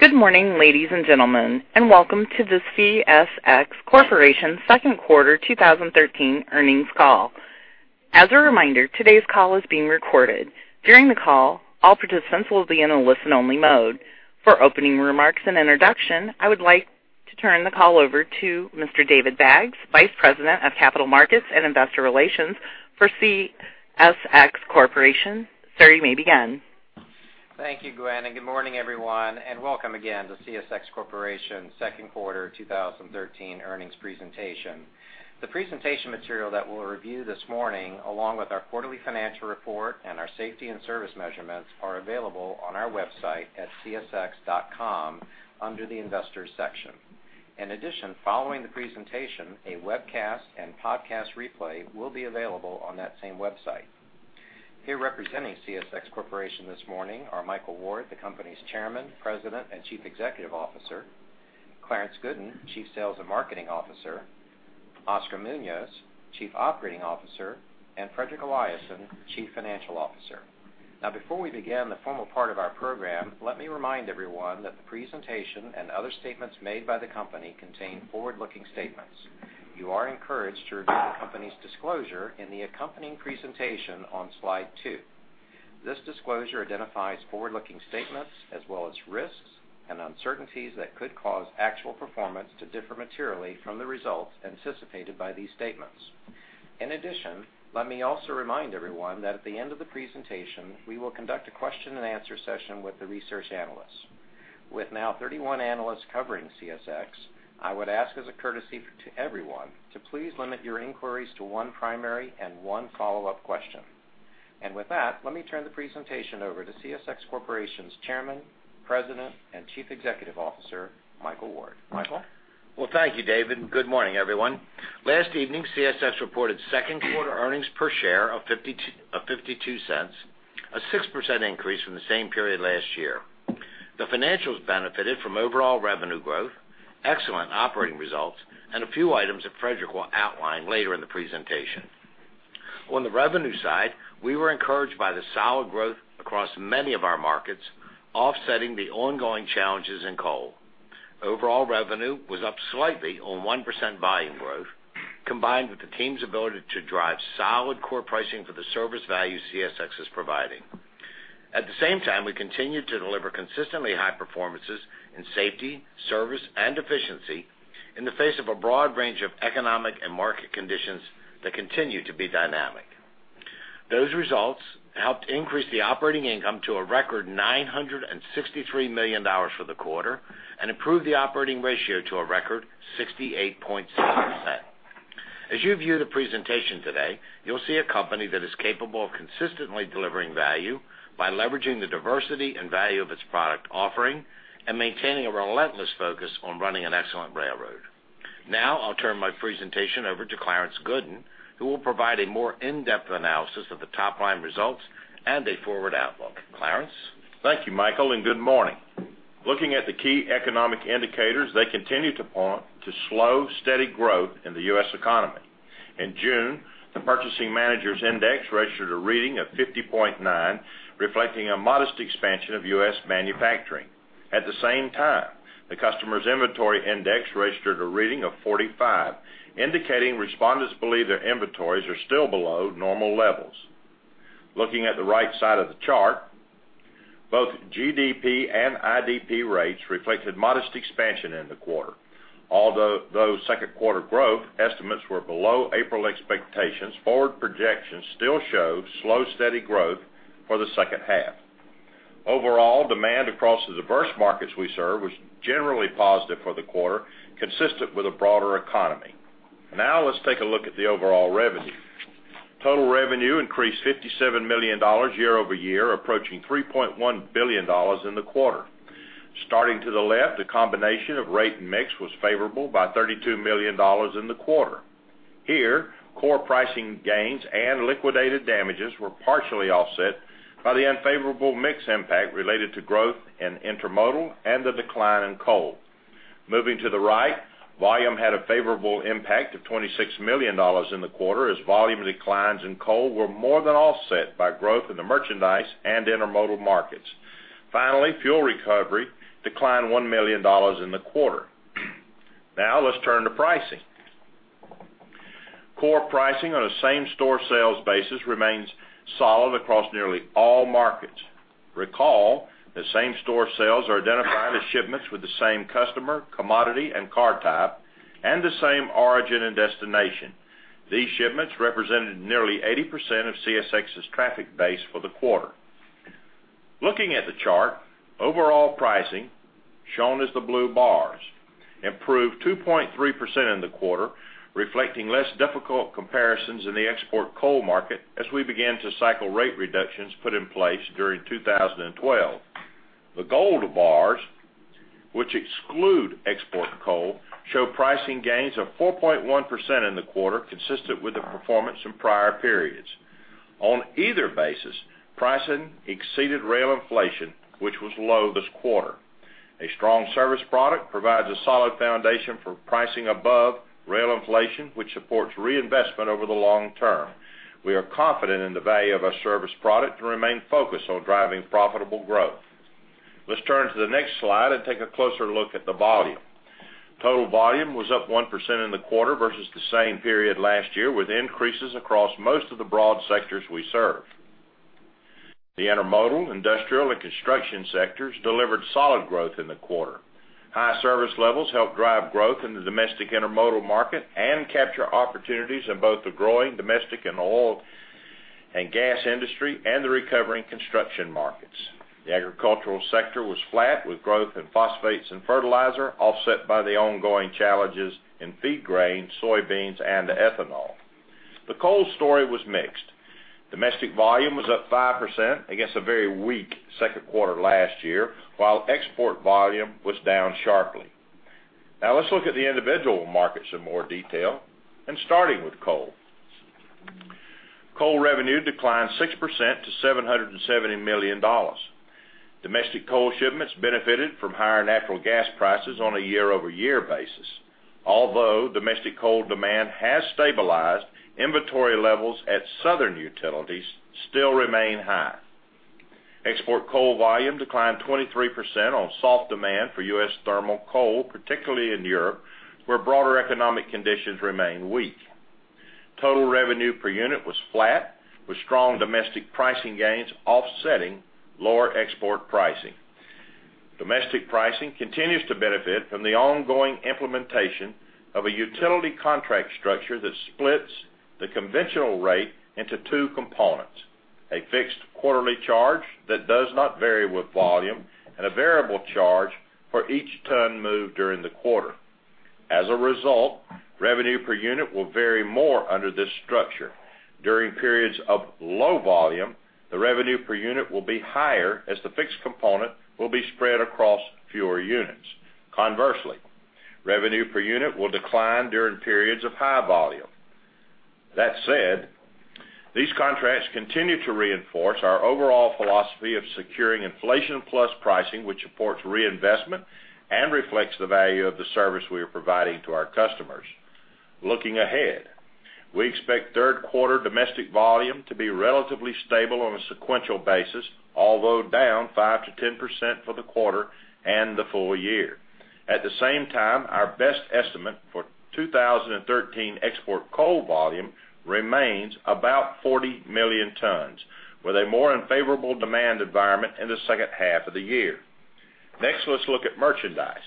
Good morning, ladies and gentlemen, and welcome to the CSX Corporation Second Quarter 2013 earnings call. As a reminder, today's call is being recorded. During the call, all participants will be in a listen-only mode. For opening remarks and introduction, I would like to turn the call over to Mr. David Baggs, Vice President of Capital Markets and Investor Relations for CSX Corporation. Sir, you may begin. Thank you, Gwen, and good morning, everyone, and welcome again to CSX Corporation's second quarter 2013 earnings presentation. The presentation material that we'll review this morning, along with our quarterly financial report and our safety and service measurements, are available on our website at csx.com under the Investors section. In addition, following the presentation, a webcast and podcast replay will be available on that same website. Here representing CSX Corporation this morning are Michael Ward, the company's Chairman, President, and Chief Executive Officer, Clarence Gooden, Chief Sales and Marketing Officer, Oscar Munoz, Chief Operating Officer, and Fredrik Eliasson, Chief Financial Officer. Now, before we begin the formal part of our program, let me remind everyone that the presentation and other statements made by the company contain forward-looking statements. You are encouraged to review the company's disclosure in the accompanying presentation on slide two. This disclosure identifies forward-looking statements as well as risks and uncertainties that could cause actual performance to differ materially from the results anticipated by these statements. In addition, let me also remind everyone that at the end of the presentation, we will conduct a question-and-answer session with the research analysts. With now 31 analysts covering CSX, I would ask as a courtesy to everyone to please limit your inquiries to one primary and one follow-up question. With that, let me turn the presentation over to CSX Corporation's Chairman, President, and Chief Executive Officer, Michael Ward. Michael? Well, thank you, David, and good morning, everyone. Last evening, CSX reported second quarter earnings per share of $0.52, a 6% increase from the same period last year. The financials benefited from overall revenue growth, excellent operating results, and a few items that Fredrik will outline later in the presentation. On the revenue side, we were encouraged by the solid growth across many of our markets, offsetting the ongoing challenges in coal. Overall revenue was up slightly on 1% volume growth, combined with the team's ability to drive solid core pricing for the service value CSX is providing. At the same time, we continued to deliver consistently high performances in safety, service, and efficiency in the face of a broad range of economic and market conditions that continue to be dynamic. Those results helped increase the operating income to a record $963 million for the quarter and improve the operating ratio to a record 68.6%. As you view the presentation today, you'll see a company that is capable of consistently delivering value by leveraging the diversity and value of its product offering and maintaining a relentless focus on running an excellent railroad. Now, I'll turn my presentation over to Clarence Gooden, who will provide a more in-depth analysis of the top-line results and a forward outlook. Clarence? Thank you, Michael, and good morning. Looking at the key economic indicators, they continue to point to slow, steady growth in the U.S. economy. In June, the Purchasing Managers Index registered a reading of 50.9, reflecting a modest expansion of U.S. manufacturing. At the same time, the Customer's Inventory Index registered a reading of 45, indicating respondents believe their inventories are still below normal levels. Looking at the right side of the chart, both GDP and IDP rates reflected modest expansion in the quarter. Although those second quarter growth estimates were below April expectations, forward projections still show slow, steady growth for the second half. Overall, demand across the diverse markets we serve was generally positive for the quarter, consistent with a broader economy. Now, let's take a look at the overall revenue. Total revenue increased $57 million year-over-year, approaching $3.1 billion in the quarter. Starting to the left, the combination of rate and mix was favorable by $32 million in the quarter. Here, core pricing gains and liquidated damages were partially offset by the unfavorable mix impact related to growth in intermodal and the decline in coal. Moving to the right, volume had a favorable impact of $26 million in the quarter, as volume declines in coal were more than offset by growth in the merchandise and intermodal markets. Finally, fuel recovery declined $1 million in the quarter. Now, let's turn to pricing. Core pricing on a same-store sales basis remains solid across nearly all markets. Recall that same-store sales are identified as shipments with the same customer, commodity, and car type, and the same origin and destination. These shipments represented nearly 80% of CSX's traffic base for the quarter. Looking at the chart, overall pricing, shown as the blue bars, improved 2.3% in the quarter, reflecting less difficult comparisons in the export coal market as we began to cycle rate reductions put in place during 2012. The gold bars, which exclude export coal, show pricing gains of 4.1% in the quarter, consistent with the performance in prior periods. On either basis, pricing exceeded rail inflation, which was low this quarter. A strong service product provides a solid foundation for pricing above rail inflation, which supports reinvestment over the long term. We are confident in the value of our service product and remain focused on driving profitable growth. Let's turn to the next slide and take a closer look at the volume. Total volume was up 1% in the quarter versus the same period last year, with increases across most of the broad sectors we serve. The intermodal, industrial, and construction sectors delivered solid growth in the quarter. High service levels helped drive growth in the domestic intermodal market and capture opportunities in both the growing domestic and oil and gas industry and the recovering construction markets. The agricultural sector was flat, with growth in phosphates and fertilizer offset by the ongoing challenges in feed grain, soybeans, and ethanol. The coal story was mixed. Domestic volume was up 5% against a very weak second quarter last year, while export volume was down sharply. Now let's look at the individual markets in more detail, and starting with coal. Coal revenue declined 6% to $770 million. Domestic coal shipments benefited from higher natural gas prices on a year-over-year basis. Although domestic coal demand has stabilized, inventory levels at southern utilities still remain high. Export coal volume declined 23% on soft demand for U.S. thermal coal, particularly in Europe, where broader economic conditions remain weak. Total revenue per unit was flat, with strong domestic pricing gains offsetting lower export pricing. Domestic pricing continues to benefit from the ongoing implementation of a utility contract structure that splits the conventional rate into two components: a fixed quarterly charge that does not vary with volume and a variable charge for each ton moved during the quarter. As a result, revenue per unit will vary more under this structure. During periods of low volume, the revenue per unit will be higher as the fixed component will be spread across fewer units. Conversely, revenue per unit will decline during periods of high volume. That said, these contracts continue to reinforce our overall philosophy of securing inflation plus pricing, which supports reinvestment and reflects the value of the service we are providing to our customers. Looking ahead, we expect third quarter domestic volume to be relatively stable on a sequential basis, although down 5%-10% for the quarter and the full year. At the same time, our best estimate for 2013 export coal volume remains about 40 million tons, with a more unfavorable demand environment in the second half of the year. Next, let's look at merchandise.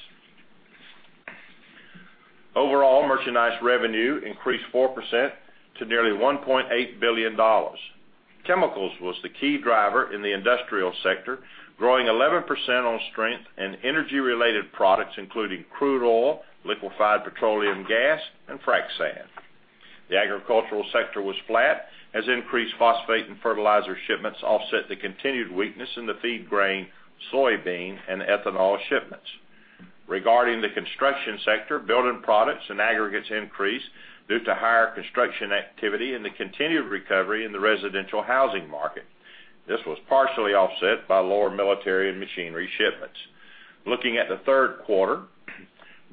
Overall, merchandise revenue increased 4% to nearly $1.8 billion. Chemicals was the key driver in the industrial sector, growing 11% on strength and energy-related products, including crude oil, liquefied petroleum gas, and frac sand. The agricultural sector was flat as increased phosphates and fertilizer shipments offset the continued weakness in the feed grain, soybeans, and ethanol shipments. Regarding the construction sector, building products and aggregates increased due to higher construction activity and the continued recovery in the residential housing market. This was partially offset by lower military and machinery shipments. Looking at the third quarter,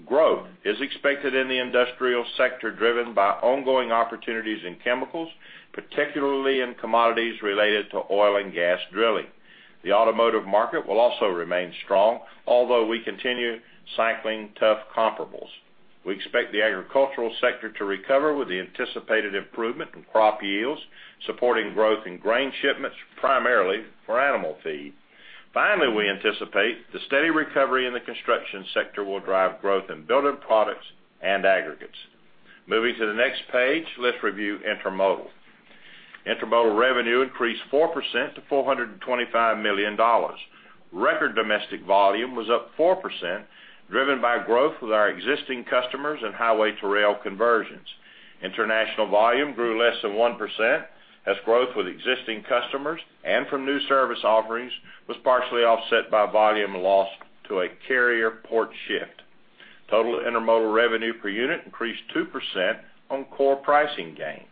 growth is expected in the industrial sector, driven by ongoing opportunities in chemicals, particularly in commodities related to oil and gas drilling. The automotive market will also remain strong, although we continue cycling tough comparables. We expect the agricultural sector to recover with the anticipated improvement in crop yields, supporting growth in grain shipments, primarily for animal feed. Finally, we anticipate the steady recovery in the construction sector will drive growth in building products and aggregates. Moving to the next page, let's review intermodal. Intermodal revenue increased 4% to $425 million. Record domestic volume was up 4%, driven by growth with our existing customers and highway to rail conversions. International volume grew less than 1%, as growth with existing customers and from new service offerings was partially offset by volume loss to a carrier port shift. Total intermodal revenue per unit increased 2% on core pricing gains.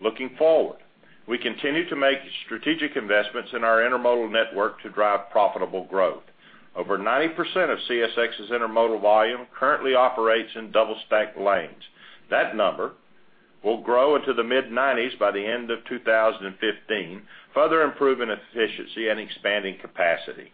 Looking forward, we continue to make strategic investments in our intermodal network to drive profitable growth. Over 90% of CSX's intermodal volume currently operates in double-stack lanes. That number will grow into the mid-90s by the end of 2015, further improving efficiency and expanding capacity.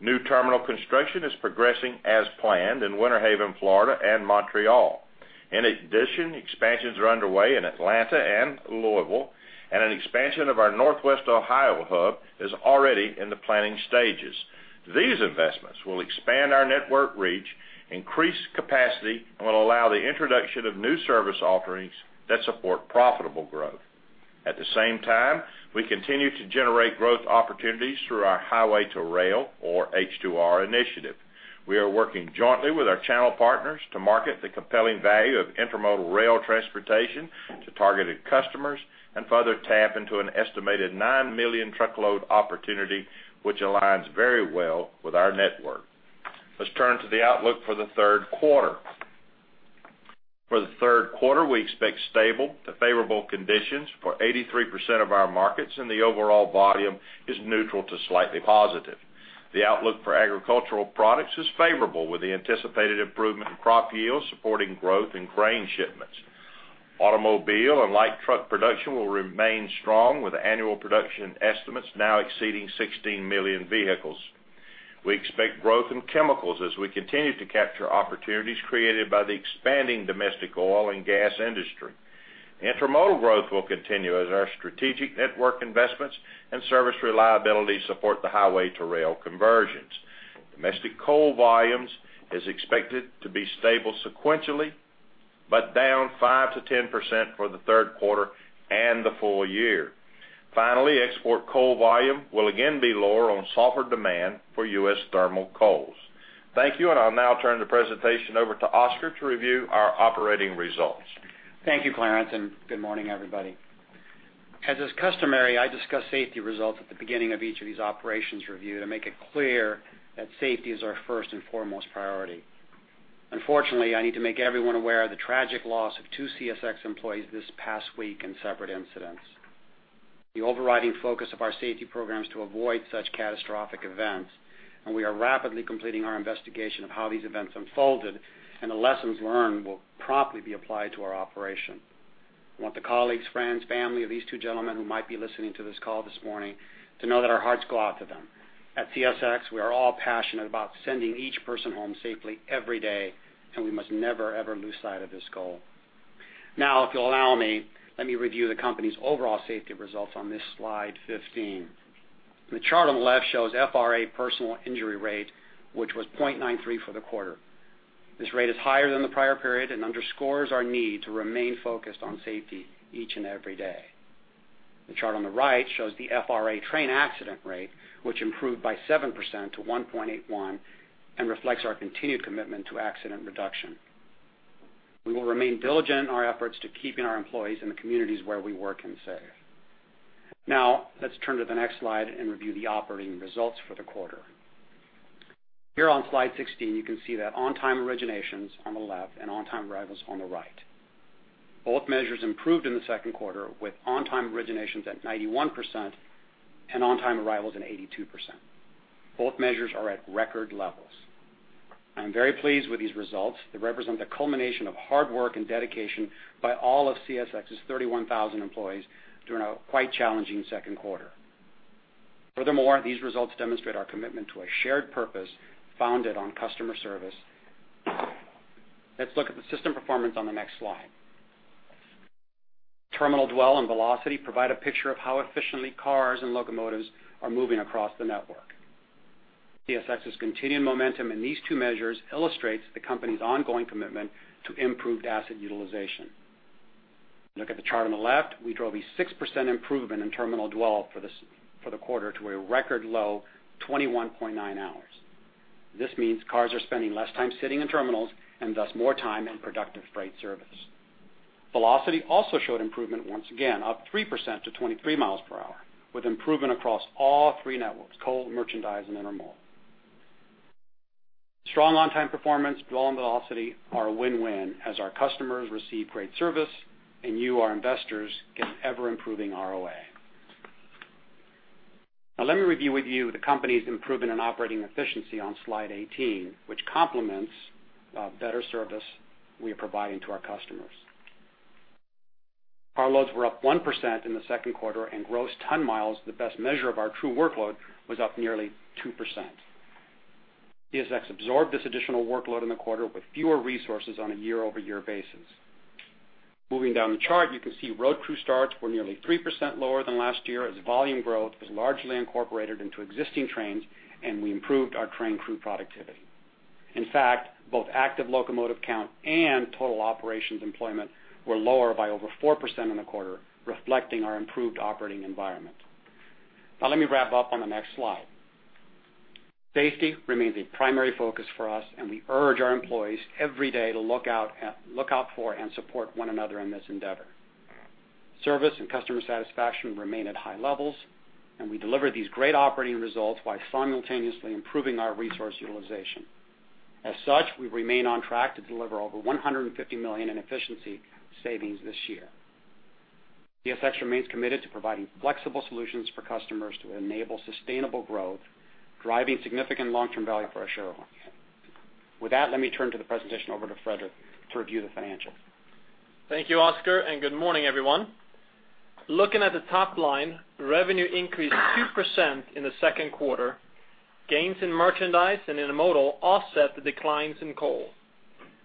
New terminal construction is progressing as planned in Winter Haven, Florida and Montreal. In addition, expansions are underway in Atlanta and Louisville, and an expansion of our Northwest Ohio hub is already in the planning stages. These investments will expand our network reach, increase capacity, and will allow the introduction of new service offerings that support profitable growth. At the same time, we continue to generate growth opportunities through our Highway to Rail, or H2R, initiative. We are working jointly with our channel partners to market the compelling value of intermodal rail transportation to targeted customers and further tap into an estimated 9 million truckload opportunity, which aligns very well with our network. Let's turn to the outlook for the third quarter. For the third quarter, we expect stable to favorable conditions for 83% of our markets, and the overall volume is neutral to slightly positive. The outlook for agricultural products is favorable, with the anticipated improvement in crop yields supporting growth in grain shipments... Automobile and light truck production will remain strong, with annual production estimates now exceeding 16 million vehicles. We expect growth in chemicals as we continue to capture opportunities created by the expanding domestic oil and gas industry. Intermodal growth will continue as our strategic network investments and service reliability support the highway-to-rail conversions. Domestic coal volumes is expected to be stable sequentially, but down 5%-10% for the third quarter and the full year. Finally, export coal volume will again be lower on softer demand for U.S. thermal coals. Thank you, and I'll now turn the presentation over to Oscar to review our operating results. Thank you, Clarence, and good morning, everybody. As is customary, I discuss safety results at the beginning of each of these operations review to make it clear that safety is our first and foremost priority. Unfortunately, I need to make everyone aware of the tragic loss of two CSX employees this past week in separate incidents. The overriding focus of our safety program is to avoid such catastrophic events, and we are rapidly completing our investigation of how these events unfolded, and the lessons learned will promptly be applied to our operation. I want the colleagues, friends, family of these two gentlemen who might be listening to this call this morning to know that our hearts go out to them. At CSX, we are all passionate about sending each person home safely every day, and we must never, ever lose sight of this goal. Now, if you'll allow me, let me review the company's overall safety results on this slide 15. The chart on the left shows FRA personal injury rate, which was 0.93 for the quarter. This rate is higher than the prior period and underscores our need to remain focused on safety each and every day. The chart on the right shows the FRA train accident rate, which improved by 7% to 1.81, and reflects our continued commitment to accident reduction. We will remain diligent in our efforts to keeping our employees in the communities where we work and safe. Now, let's turn to the next slide and review the operating results for the quarter. Here on slide 16, you can see that on-time originations on the left and on-time arrivals on the right. Both measures improved in the second quarter, with on-time originations at 91% and on-time arrivals at 82%. Both measures are at record levels. I'm very pleased with these results. They represent the culmination of hard work and dedication by all of CSX's 31,000 employees during a quite challenging second quarter. Furthermore, these results demonstrate our commitment to a shared purpose founded on customer service. Let's look at the system performance on the next slide. Terminal dwell and velocity provide a picture of how efficiently cars and locomotives are moving across the network. CSX's continuing momentum in these two measures illustrates the company's ongoing commitment to improved asset utilization. Look at the chart on the left. We drove a 6% improvement in terminal dwell for the quarter to a record low 21.9 hours. This means cars are spending less time sitting in terminals and thus more time in productive freight service. Velocity also showed improvement once again, up 3% to 23 mph, with improvement across all three networks: coal, merchandise, and intermodal. Strong on-time performance, dwell and velocity are a win-win, as our customers receive great service, and you, our investors, get ever-improving ROA. Now, let me review with you the company's improvement in operating efficiency on slide 18, which complements better service we are providing to our customers. Carloads were up 1% in the Second Quarter, and gross ton miles, the best measure of our true workload, was up nearly 2%. CSX absorbed this additional workload in the quarter with fewer resources on a year-over-year basis. Moving down the chart, you can see road crew starts were nearly 3% lower than last year, as volume growth was largely incorporated into existing trains, and we improved our train crew productivity. In fact, both active locomotive count and total operations employment were lower by over 4% in the quarter, reflecting our improved operating environment. Now, let me wrap up on the next slide. Safety remains a primary focus for us, and we urge our employees every day to look out for and support one another in this endeavor. Service and customer satisfaction remain at high levels, and we deliver these great operating results while simultaneously improving our resource utilization. As such, we remain on track to deliver over $150 million in efficiency savings this year. CSX remains committed to providing flexible solutions for customers to enable sustainable growth, driving significant long-term value for our shareholders. With that, let me turn the presentation over to Fredrik to review the financials. Thank you, Oscar, and good morning, everyone. Looking at the top line, revenue increased 2% in the second quarter. Gains in merchandise and intermodal offset the declines in coal.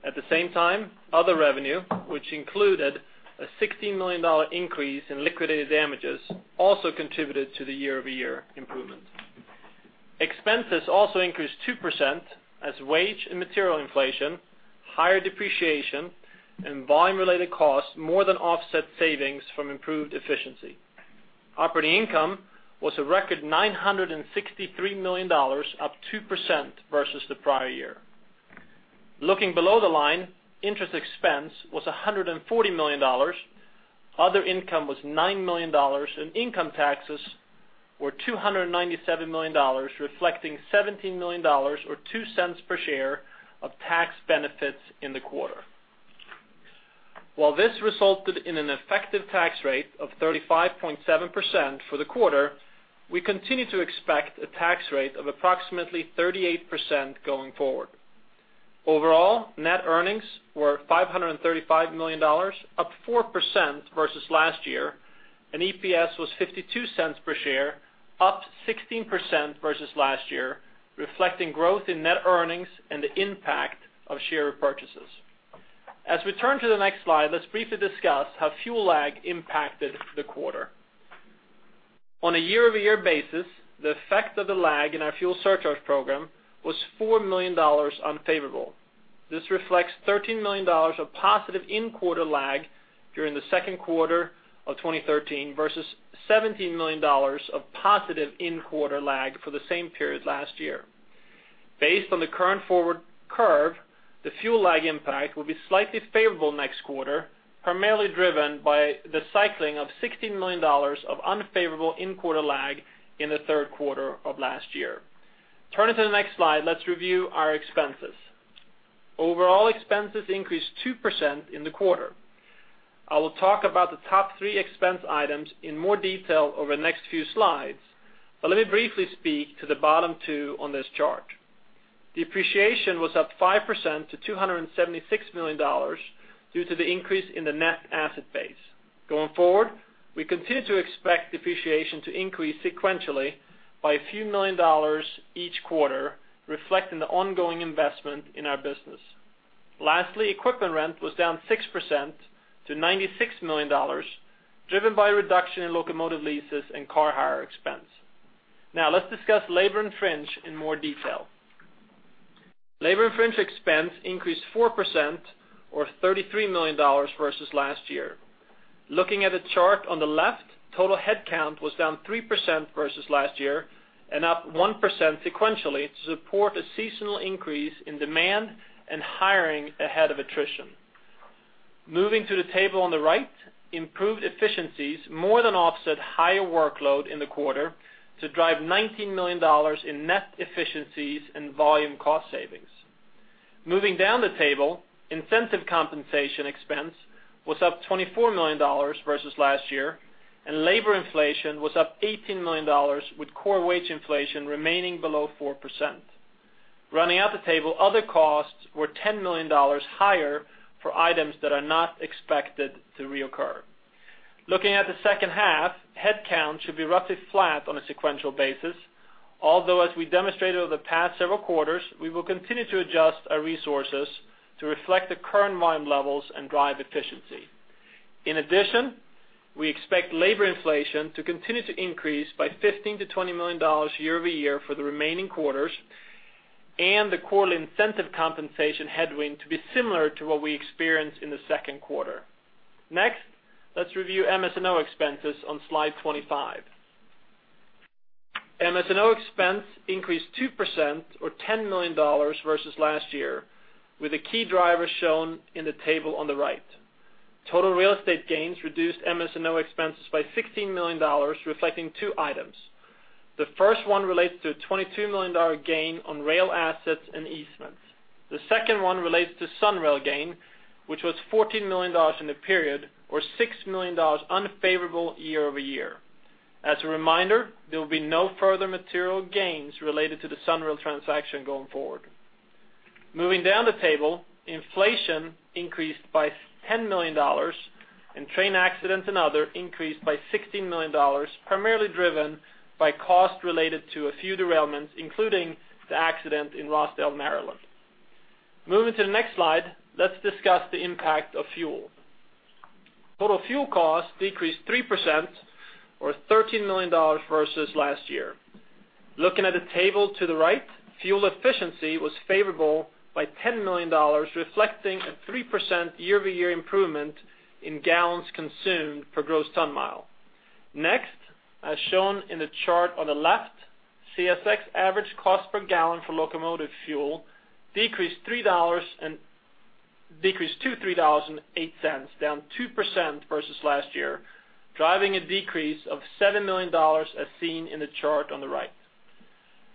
At the same time, other revenue, which included a $60 million increase in liquidated damages, also contributed to the year-over-year improvement. Expenses also increased 2%, as wage and material inflation, higher depreciation, and volume-related costs more than offset savings from improved efficiency. Operating income was a record $963 million, up 2% versus the prior year. Looking below the line, interest expense was $140 million, other income was $9 million, and income taxes were $297 million, reflecting $17 million or $0.02 per share of tax benefits in the quarter. While this resulted in an effective tax rate of 35.7% for the quarter. We continue to expect a tax rate of approximately 38% going forward. Overall, net earnings were $535 million, up 4% versus last year, and EPS was $0.52 per share, up 16% versus last year, reflecting growth in net earnings and the impact of share repurchases. As we turn to the next slide, let's briefly discuss how fuel lag impacted the quarter. On a year-over-year basis, the effect of the lag in our fuel surcharge program was $4 million unfavorable. This reflects $13 million of positive in-quarter lag during the second quarter of 2013 versus $17 million of positive in-quarter lag for the same period last year. Based on the current forward curve, the fuel lag impact will be slightly favorable next quarter, primarily driven by the cycling of $16 million of unfavorable in-quarter lag in the third quarter of last year. Turning to the next slide, let's review our expenses. Overall expenses increased 2% in the quarter. I will talk about the top three expense items in more detail over the next few slides, but let me briefly speak to the bottom two on this chart. Depreciation was up 5% to $276 million due to the increase in the net asset base. Going forward, we continue to expect depreciation to increase sequentially by a few million dollars each quarter, reflecting the ongoing investment in our business. Lastly, equipment rent was down 6% to $96 million, driven by a reduction in locomotive leases and car hire expense. Now, let's discuss labor and fringe in more detail. Labor and fringe expense increased 4%, or $33 million, versus last year. Looking at the chart on the left, total headcount was down 3% versus last year and up 1% sequentially to support a seasonal increase in demand and hiring ahead of attrition. Moving to the table on the right, improved efficiencies more than offset higher workload in the quarter to drive $19 million in net efficiencies and volume cost savings. Moving down the table, incentive compensation expense was up $24 million versus last year, and labor inflation was up $18 million, with core wage inflation remaining below 4%. Running out the table, other costs were $10 million higher for items that are not expected to reoccur. Looking at the second half, headcount should be roughly flat on a sequential basis, although as we demonstrated over the past several quarters, we will continue to adjust our resources to reflect the current volume levels and drive efficiency. In addition, we expect labor inflation to continue to increase by $15 million -$20 million year-over-year for the remaining quarters, and the quarterly incentive compensation headwind to be similar to what we experienced in the Second quarter. Next, let's review MS&O expenses on slide 25. MS&O expense increased 2%, or $10 million, versus last year, with the key drivers shown in the table on the right. Total real estate gains reduced MS&O expenses by $16 million, reflecting two items. The first one relates to a $22 million gain on rail assets and easements. The second one relates to SunRail gain, which was $14 million in the period, or $6 million unfavorable year-over-year. As a reminder, there will be no further material gains related to the SunRail transaction going forward. Moving down the table, inflation increased by $10 million, and train accidents and other increased by $16 million, primarily driven by costs related to a few derailments, including the accident in Rosedale, Maryland. Moving to the next slide, let's discuss the impact of fuel. Total fuel costs decreased 3%, or $13 million, versus last year. Looking at the table to the right, fuel efficiency was favorable by $10 million, reflecting a 3% year-over-year improvement in gallons consumed per gross ton mile. Next, as shown in the chart on the left, CSX average cost per gallon for locomotive fuel decreased to $3.08, down 2% versus last year, driving a decrease of $7 million, as seen in the chart on the right.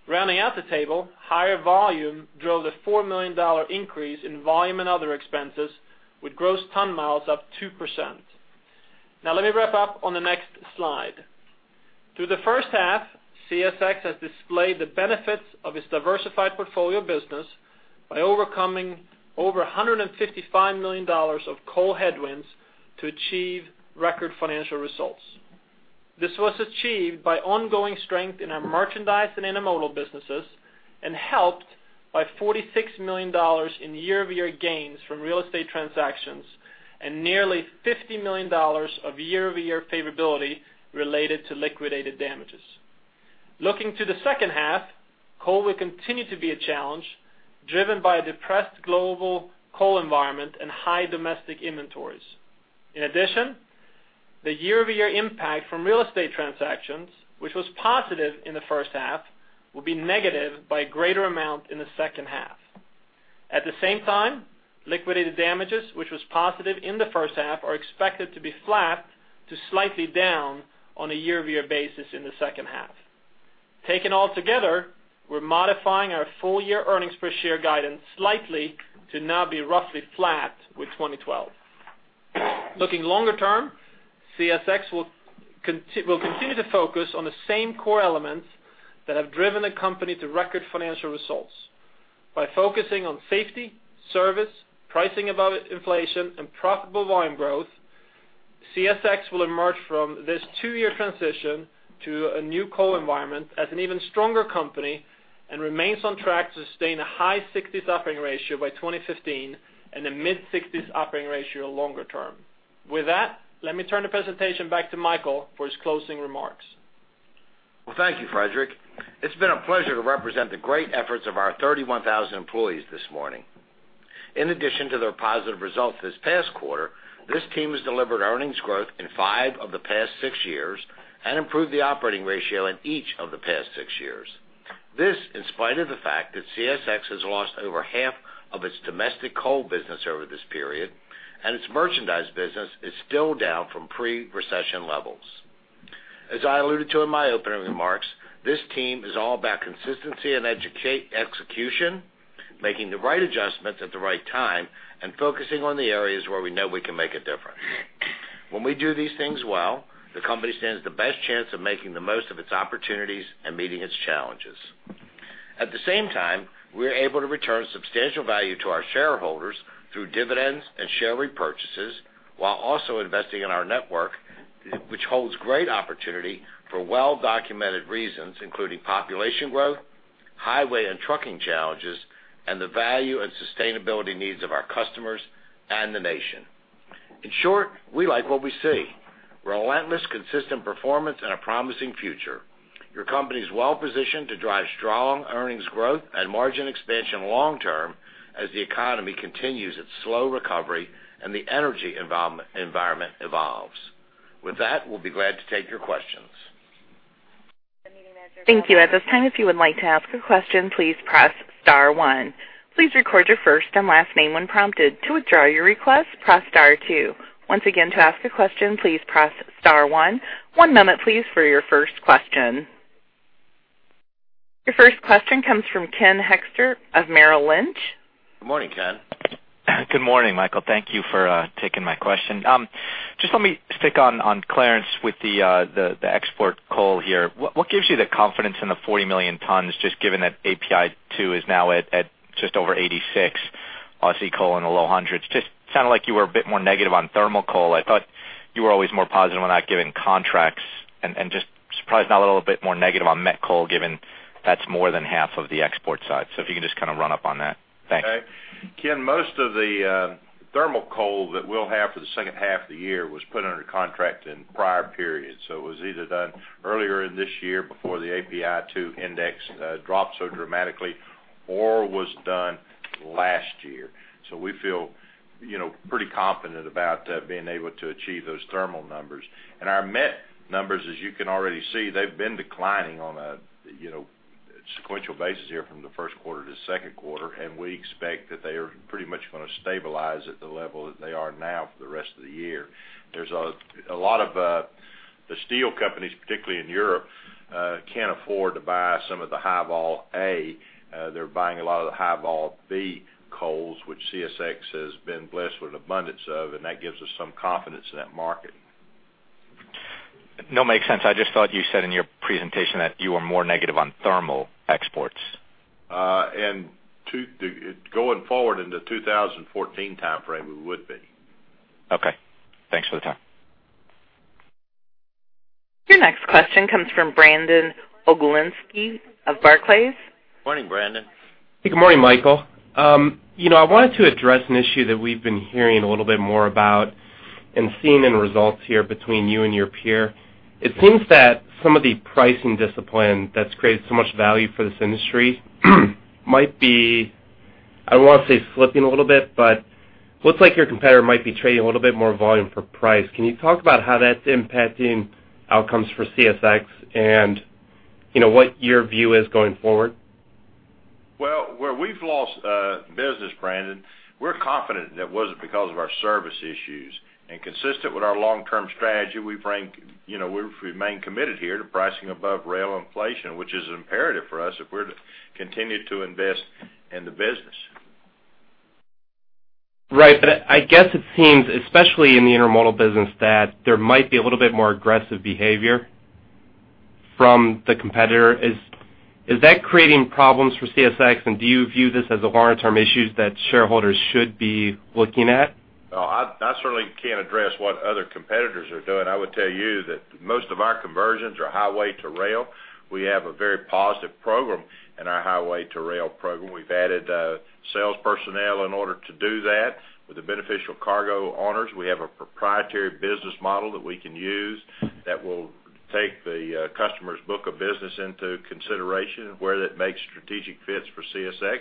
Rounding out the table, higher volume drove a $4 million increase in volume and other expenses, with gross ton miles up 2%. Now, let me wrap up on the next slide. Through the first half, CSX has displayed the benefits of its diversified portfolio business by overcoming over $155 million of coal headwinds to achieve record financial results. This was achieved by ongoing strength in our merchandise and intermodal businesses, and helped by $46 million in year-over-year gains from real estate transactions and nearly $50 million of year-over-year favorability related to liquidated damages. Looking to the second half, coal will continue to be a challenge, driven by a depressed global coal environment and high domestic inventories. In addition, the year-over-year impact from real estate transactions, which was positive in the first half, will be negative by a greater amount in the second half. At the same time, Liquidated Damages, which was positive in the first half, are expected to be flat to slightly down on a year-over-year basis in the second half. Taken altogether, we're modifying our full-year earnings per share guidance slightly to now be roughly flat with 2012. Looking longer term, CSX will continue to focus on the same core elements that have driven the company to record financial results. By focusing on safety, service, pricing above inflation, and profitable volume growth, CSX will emerge from this two-year transition to a new coal environment as an even stronger company and remains on track to sustain a high 60s operating ratio by 2015 and a mid-60s operating ratio longer term. With that, let me turn the presentation back to Michael for his closing remarks. Well, thank you, Fredrik. It's been a pleasure to represent the great efforts of our 31,000 employees this morning. In addition to their positive results this past quarter, this team has delivered earnings growth in five of the past six years and improved the operating ratio in each of the past six years. This, in spite of the fact that CSX has lost over half of its domestic coal business over this period, and its merchandise business is still down from pre-recession levels. As I alluded to in my opening remarks, this team is all about consistency and execution, making the right adjustments at the right time, and focusing on the areas where we know we can make a difference. When we do these things well, the company stands the best chance of making the most of its opportunities and meeting its challenges. At the same time, we are able to return substantial value to our shareholders through dividends and share repurchases, while also investing in our network, which holds great opportunity for well-documented reasons, including population growth, highway and trucking challenges, and the value and sustainability needs of our customers and the nation. In short, we like what we see: relentless, consistent performance and a promising future. Your company is well positioned to drive strong earnings growth and margin expansion long term as the economy continues its slow recovery and the energy environment evolves. With that, we'll be glad to take your questions. Thank you. At this time, if you would like to ask a question, please press star one. Please record your first and last name when prompted. To withdraw your request, press star two. Once again, to ask a question, please press star one. One moment, please, for your first question. Your first question comes from Ken Hoexter of Merrill Lynch. Good morning, Ken. Good morning, Michael. Thank you for taking my question. Just let me stick on Clarence with the export coal here. What gives you the confidence in the 40 million tons, just given that API 2 is now at just over $86, Aussie coal in the low hundreds? Just sounded like you were a bit more negative on thermal coal. I thought you were always more positive on that, given contracts, and just surprised, not a little bit more negative on met coal, given that's more than half of the export side. So if you can just kind of run up on that. Thanks. Okay. Ken, most of the thermal coal that we'll have for the second half of the year was put under contract in prior periods. So it was either done earlier in this year before the API 2 index dropped so dramatically or was done last year. So we feel, you know, pretty confident about being able to achieve those thermal numbers. And our met numbers, as you can already see, they've been declining on a, you know, sequential basis here from the first quarter to the Second Quarter, and we expect that they are pretty much going to stabilize at the level that they are now for the rest of the year. There's a lot of the steel companies, particularly in Europe, can't afford to buy some of the High Vol A. They're buying a lot of the High Vol B coals, which CSX has been blessed with an abundance of, and that gives us some confidence in that market. No, makes sense. I just thought you said in your presentation that you were more negative on thermal exports. And going forward into 2014 timeframe, we would be. Okay. Thanks for the time. Your next question comes from Brandon Oglenski of Barclays. Morning, Brandon. Good morning, Michael. You know, I wanted to address an issue that we've been hearing a little bit more about and seeing in results here between you and your peer. It seems that some of the pricing discipline that's created so much value for this industry might be, I don't want to say slipping a little bit, but looks like your competitor might be trading a little bit more volume for price. Can you talk about how that's impacting outcomes for CSX and, you know, what your view is going forward? Well, where we've lost business, Brandon, we're confident that it wasn't because of our service issues, and consistent with our long-term strategy, you know, we've remained committed here to pricing above rail inflation, which is imperative for us if we're to continue to invest in the business. Right. But I guess it seems, especially in the intermodal business, that there might be a little bit more aggressive behavior from the competitor. Is that creating problems for CSX? And do you view this as a longer-term issues that shareholders should be looking at? No, I, I certainly can't address what other competitors are doing. I would tell you that most of our conversions are highway to rail. We have a very positive program in our highway to rail program. We've added sales personnel in order to do that. With the beneficial cargo owners, we have a proprietary business model that we can use that will take the customer's book of business into consideration where that makes strategic fits for CSX.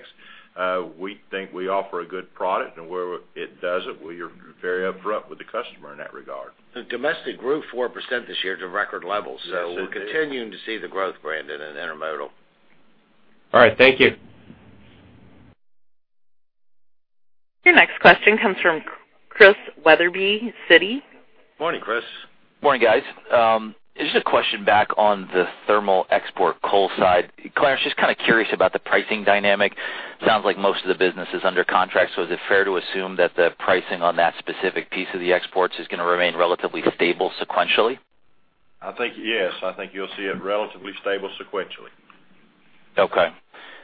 We think we offer a good product, and where it doesn't, we are very upfront with the customer in that regard. And domestic grew 4% this year to record levels. So we're continuing to see the growth, Brandon, in intermodal. All right. Thank you. Your next question comes from Chris Wetherbee, Citi. Morning, Chris. Morning, guys. Just a question back on the thermal export coal side. Clarence, just kind of curious about the pricing dynamic. Sounds like most of the business is under contract, so is it fair to assume that the pricing on that specific piece of the exports is gonna remain relatively stable sequentially? I think, yes. I think you'll see it relatively stable sequentially. Okay,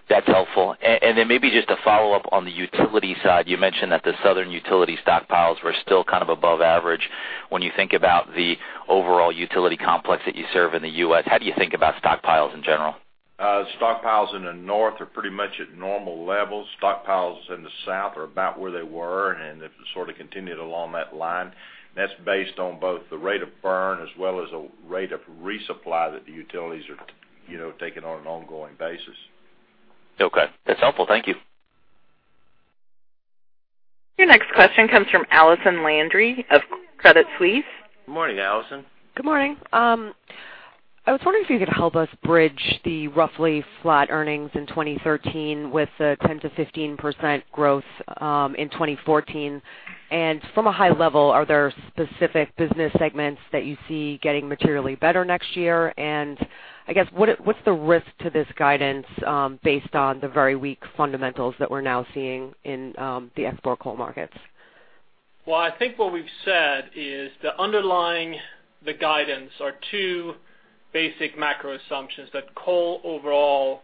that's helpful. And, and then maybe just a follow-up on the utility side. You mentioned that the southern utility stockpiles were still kind of above average. When you think about the overall utility complex that you serve in the U.S., how do you think about stockpiles in general? Stockpiles in the north are pretty much at normal levels. Stockpiles in the south are about where they were, and they've sort of continued along that line. That's based on both the rate of burn as well as the rate of resupply that the utilities are, you know, taking on an ongoing basis. Okay, that's helpful. Thank you. Your next question comes from Allison Landry of Credit Suisse. Morning, Allison. Good morning. I was wondering if you could help us bridge the roughly flat earnings in 2013 with the 10%-15% growth in 2014. And from a high level, are there specific business segments that you see getting materially better next year? And I guess, what is the risk to this guidance based on the very weak fundamentals that we're now seeing in the export coal markets? Well, I think what we've said is the underlying the guidance are two basic macro assumptions, that coal overall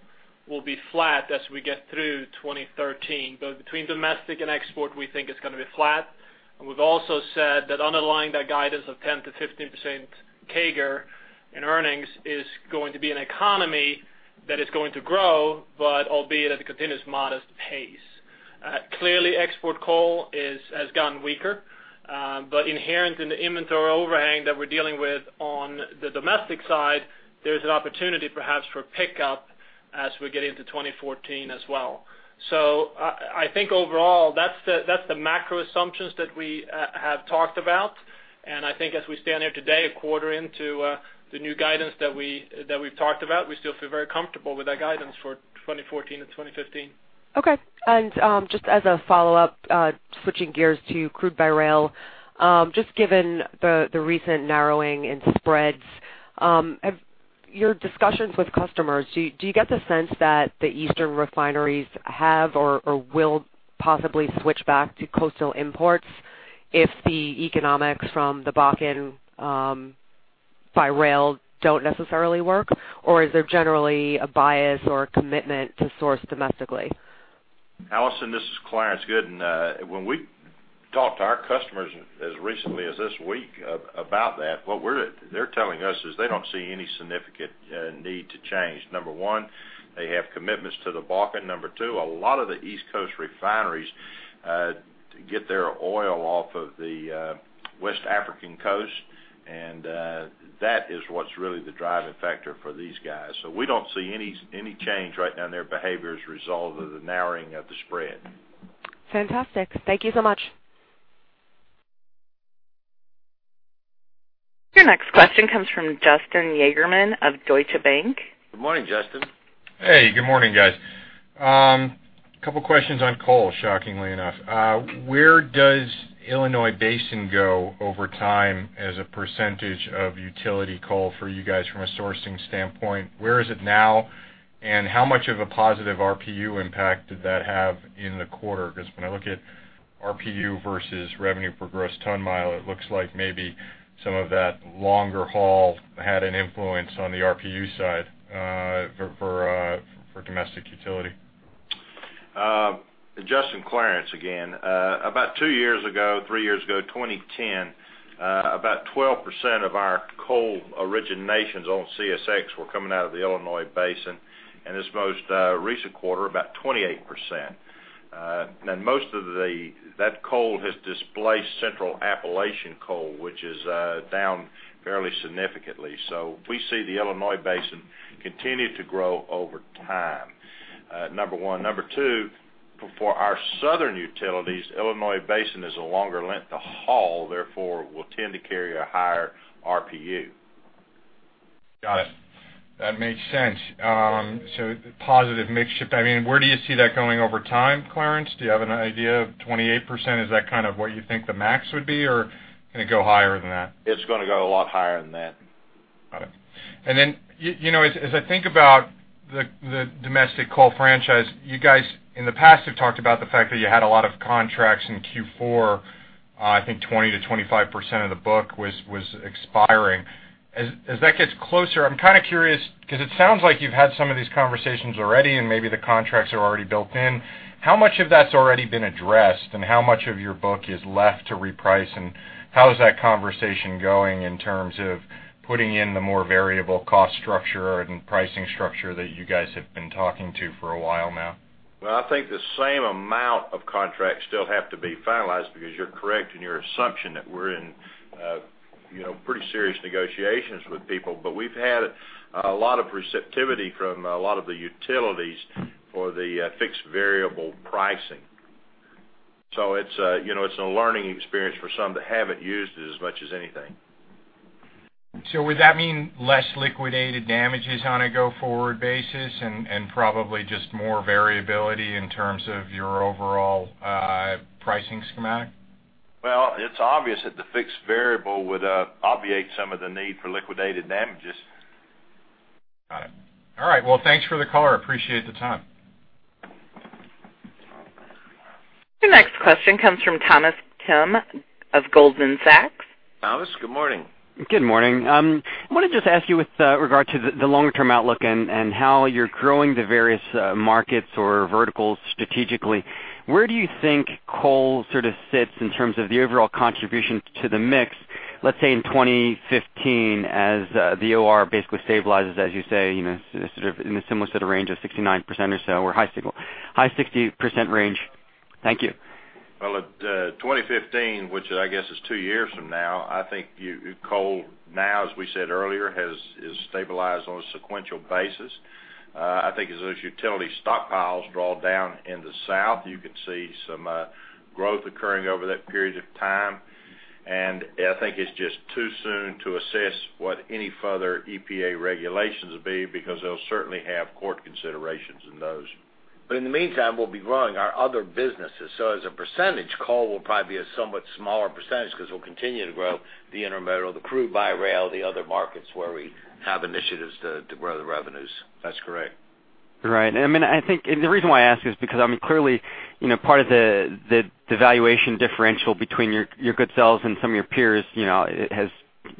will be flat as we get through 2013. Both between domestic and export, we think it's gonna be flat. And we've also said that underlying that guidance of 10%-15% CAGR in earnings is going to be an economy that is going to grow, but albeit at a continuous modest pace. Clearly, export coal is, has gotten weaker, but inherent in the inventory overhang that we're dealing with on the domestic side, there's an opportunity perhaps for pickup as we get into 2014 as well. So I, I think overall, that's the, that's the macro assumptions that we have talked about. I think as we stand here today, a quarter into the new guidance that we, that we've talked about, we still feel very comfortable with that guidance for 2014 and 2015. Okay. And, just as a follow-up, switching gears to crude by rail. Just given the recent narrowing in spreads, have your discussions with customers, do you get the sense that the eastern refineries have or will possibly switch back to coastal imports if the economics from the Bakken by rail don't necessarily work? Or is there generally a bias or a commitment to source domestically? Allison, this is Clarence Gooden. When we talked to our customers as recently as this week about that, they're telling us is they don't see any significant need to change. Number one, they have commitments to the Bakken. Number two, a lot of the East Coast refineries get their oil off of the West African Coast, and that is what's really the driving factor for these guys. So we don't see any change right now in their behavior as a result of the narrowing of the spread. Fantastic. Thank you so much. Your next question comes from Justin Yagerman of Deutsche Bank. Good morning, Justin. Hey, good morning, guys. A couple questions on coal, shockingly enough. Where does Illinois Basin go over time as a percentage of utility coal for you guys from a sourcing standpoint? Where is it now? And how much of a positive RPU impact did that have in the quarter? Because when I look at RPU versus revenue per gross ton mile, it looks like maybe some of that longer haul had an influence on the RPU side, for domestic utility. Justin, Clarence again. About two years ago, three years ago, 2010, about 12% of our coal originations on CSX were coming out of the Illinois Basin, and this most recent quarter, about 28%. And most of that coal has displaced Central Appalachian coal, which is down fairly significantly. So we see the Illinois Basin continue to grow over time, number one. Number two, for our southern utilities, Illinois Basin is a longer length to haul, therefore, will tend to carry a higher RPU. Got it. That makes sense. So positive mix shift. I mean, where do you see that going over time, Clarence? Do you have an idea of 28%? Is that kind of what you think the max would be, or can it go higher than that? It's gonna go a lot higher than that. Got it. And then, you know, as I think about the domestic coal franchise, you guys, in the past, have talked about the fact that you had a lot of contracts in Q4. I think 20%-25% of the book was expiring. As that gets closer, I'm kind of curious, because it sounds like you've had some of these conversations already, and maybe the contracts are already built in. How much of that's already been addressed, and how much of your book is left to reprice, and how is that conversation going in terms of putting in the more variable cost structure and pricing structure that you guys have been talking to for a while now? Well, I think the same amount of contracts still have to be finalized, because you're correct in your assumption that we're in, you know, pretty serious negotiations with people. But we've had a lot of receptivity from a lot of the utilities for the fixed variable pricing. So it's a, you know, it's a learning experience for some that haven't used it as much as anything. So would that mean less liquidated damages on a go-forward basis and, and probably just more variability in terms of your overall, pricing schematic? Well, it's obvious that the fixed variable would obviate some of the need for Liquidated Damages. Got it. All right. Well, thanks for the call, I appreciate the time. Your next question comes from Thomas Kim of Goldman Sachs. Thomas, good morning. Good morning. I wanted to just ask you with regard to the, the longer-term outlook and, and how you're growing the various markets or verticals strategically. Where do you think coal sort of sits in terms of the overall contribution to the mix, let's say, in 2015, as the OR basically stabilizes, as you say, you know, sort of in a similar sort of range of 69% or so, or high single- high 60% range? Thank you. Well, at 2015, which I guess is two years from now, I think you, Coal now, as we said earlier, is stabilized on a sequential basis. I think as those utility stockpiles draw down in the South, you could see some growth occurring over that period of time. And I think it's just too soon to assess what any further EPA regulations will be, because they'll certainly have court considerations in those. But in the meantime, we'll be growing our other businesses. So as a percentage, coal will probably be a somewhat smaller percentage because we'll continue to grow the intermodal, the crude by rail, the other markets where we have initiatives to grow the revenues. That's correct. Right. And I mean, I think, and the reason why I ask is because, I mean, clearly, you know, part of the valuation differential between your good sales and some of your peers, you know, it has,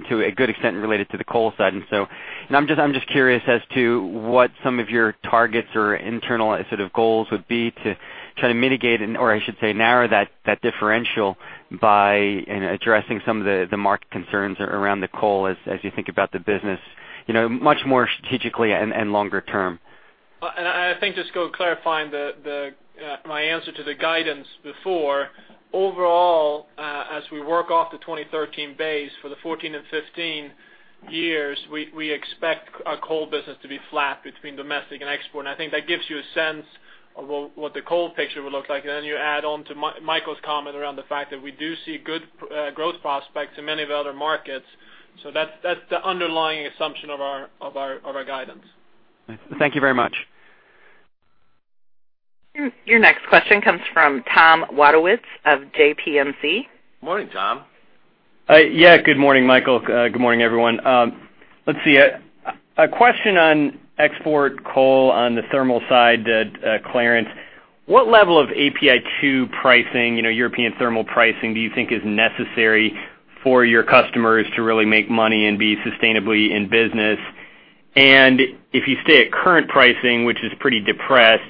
to a good extent, related to the coal side. And so, I'm just curious as to what some of your targets or internal sort of goals would be to try to mitigate, or I should say, narrow that differential by, you know, addressing some of the market concerns around the coal as you think about the business, you know, much more strategically and longer term. I think, just to clarify my answer to the guidance before. Overall, as we work off the 2013 base for the 2014 and 2015 years, we expect our coal business to be flat between domestic and export. And I think that gives you a sense of what the coal picture will look like. And then you add on to Michael's comment around the fact that we do see good growth prospects in many of the other markets. So that's the underlying assumption of our guidance. Thank you very much. Your next question comes from Tom Wadewitz of JPMC. Morning, Tom. Yeah, good morning, Michael. Good morning, everyone. Let's see, a question on export coal on the thermal side, Clarence. What level of API 2 pricing, you know, European thermal pricing, do you think is necessary for your customers to really make money and be sustainably in business? And if you stay at current pricing, which is pretty depressed,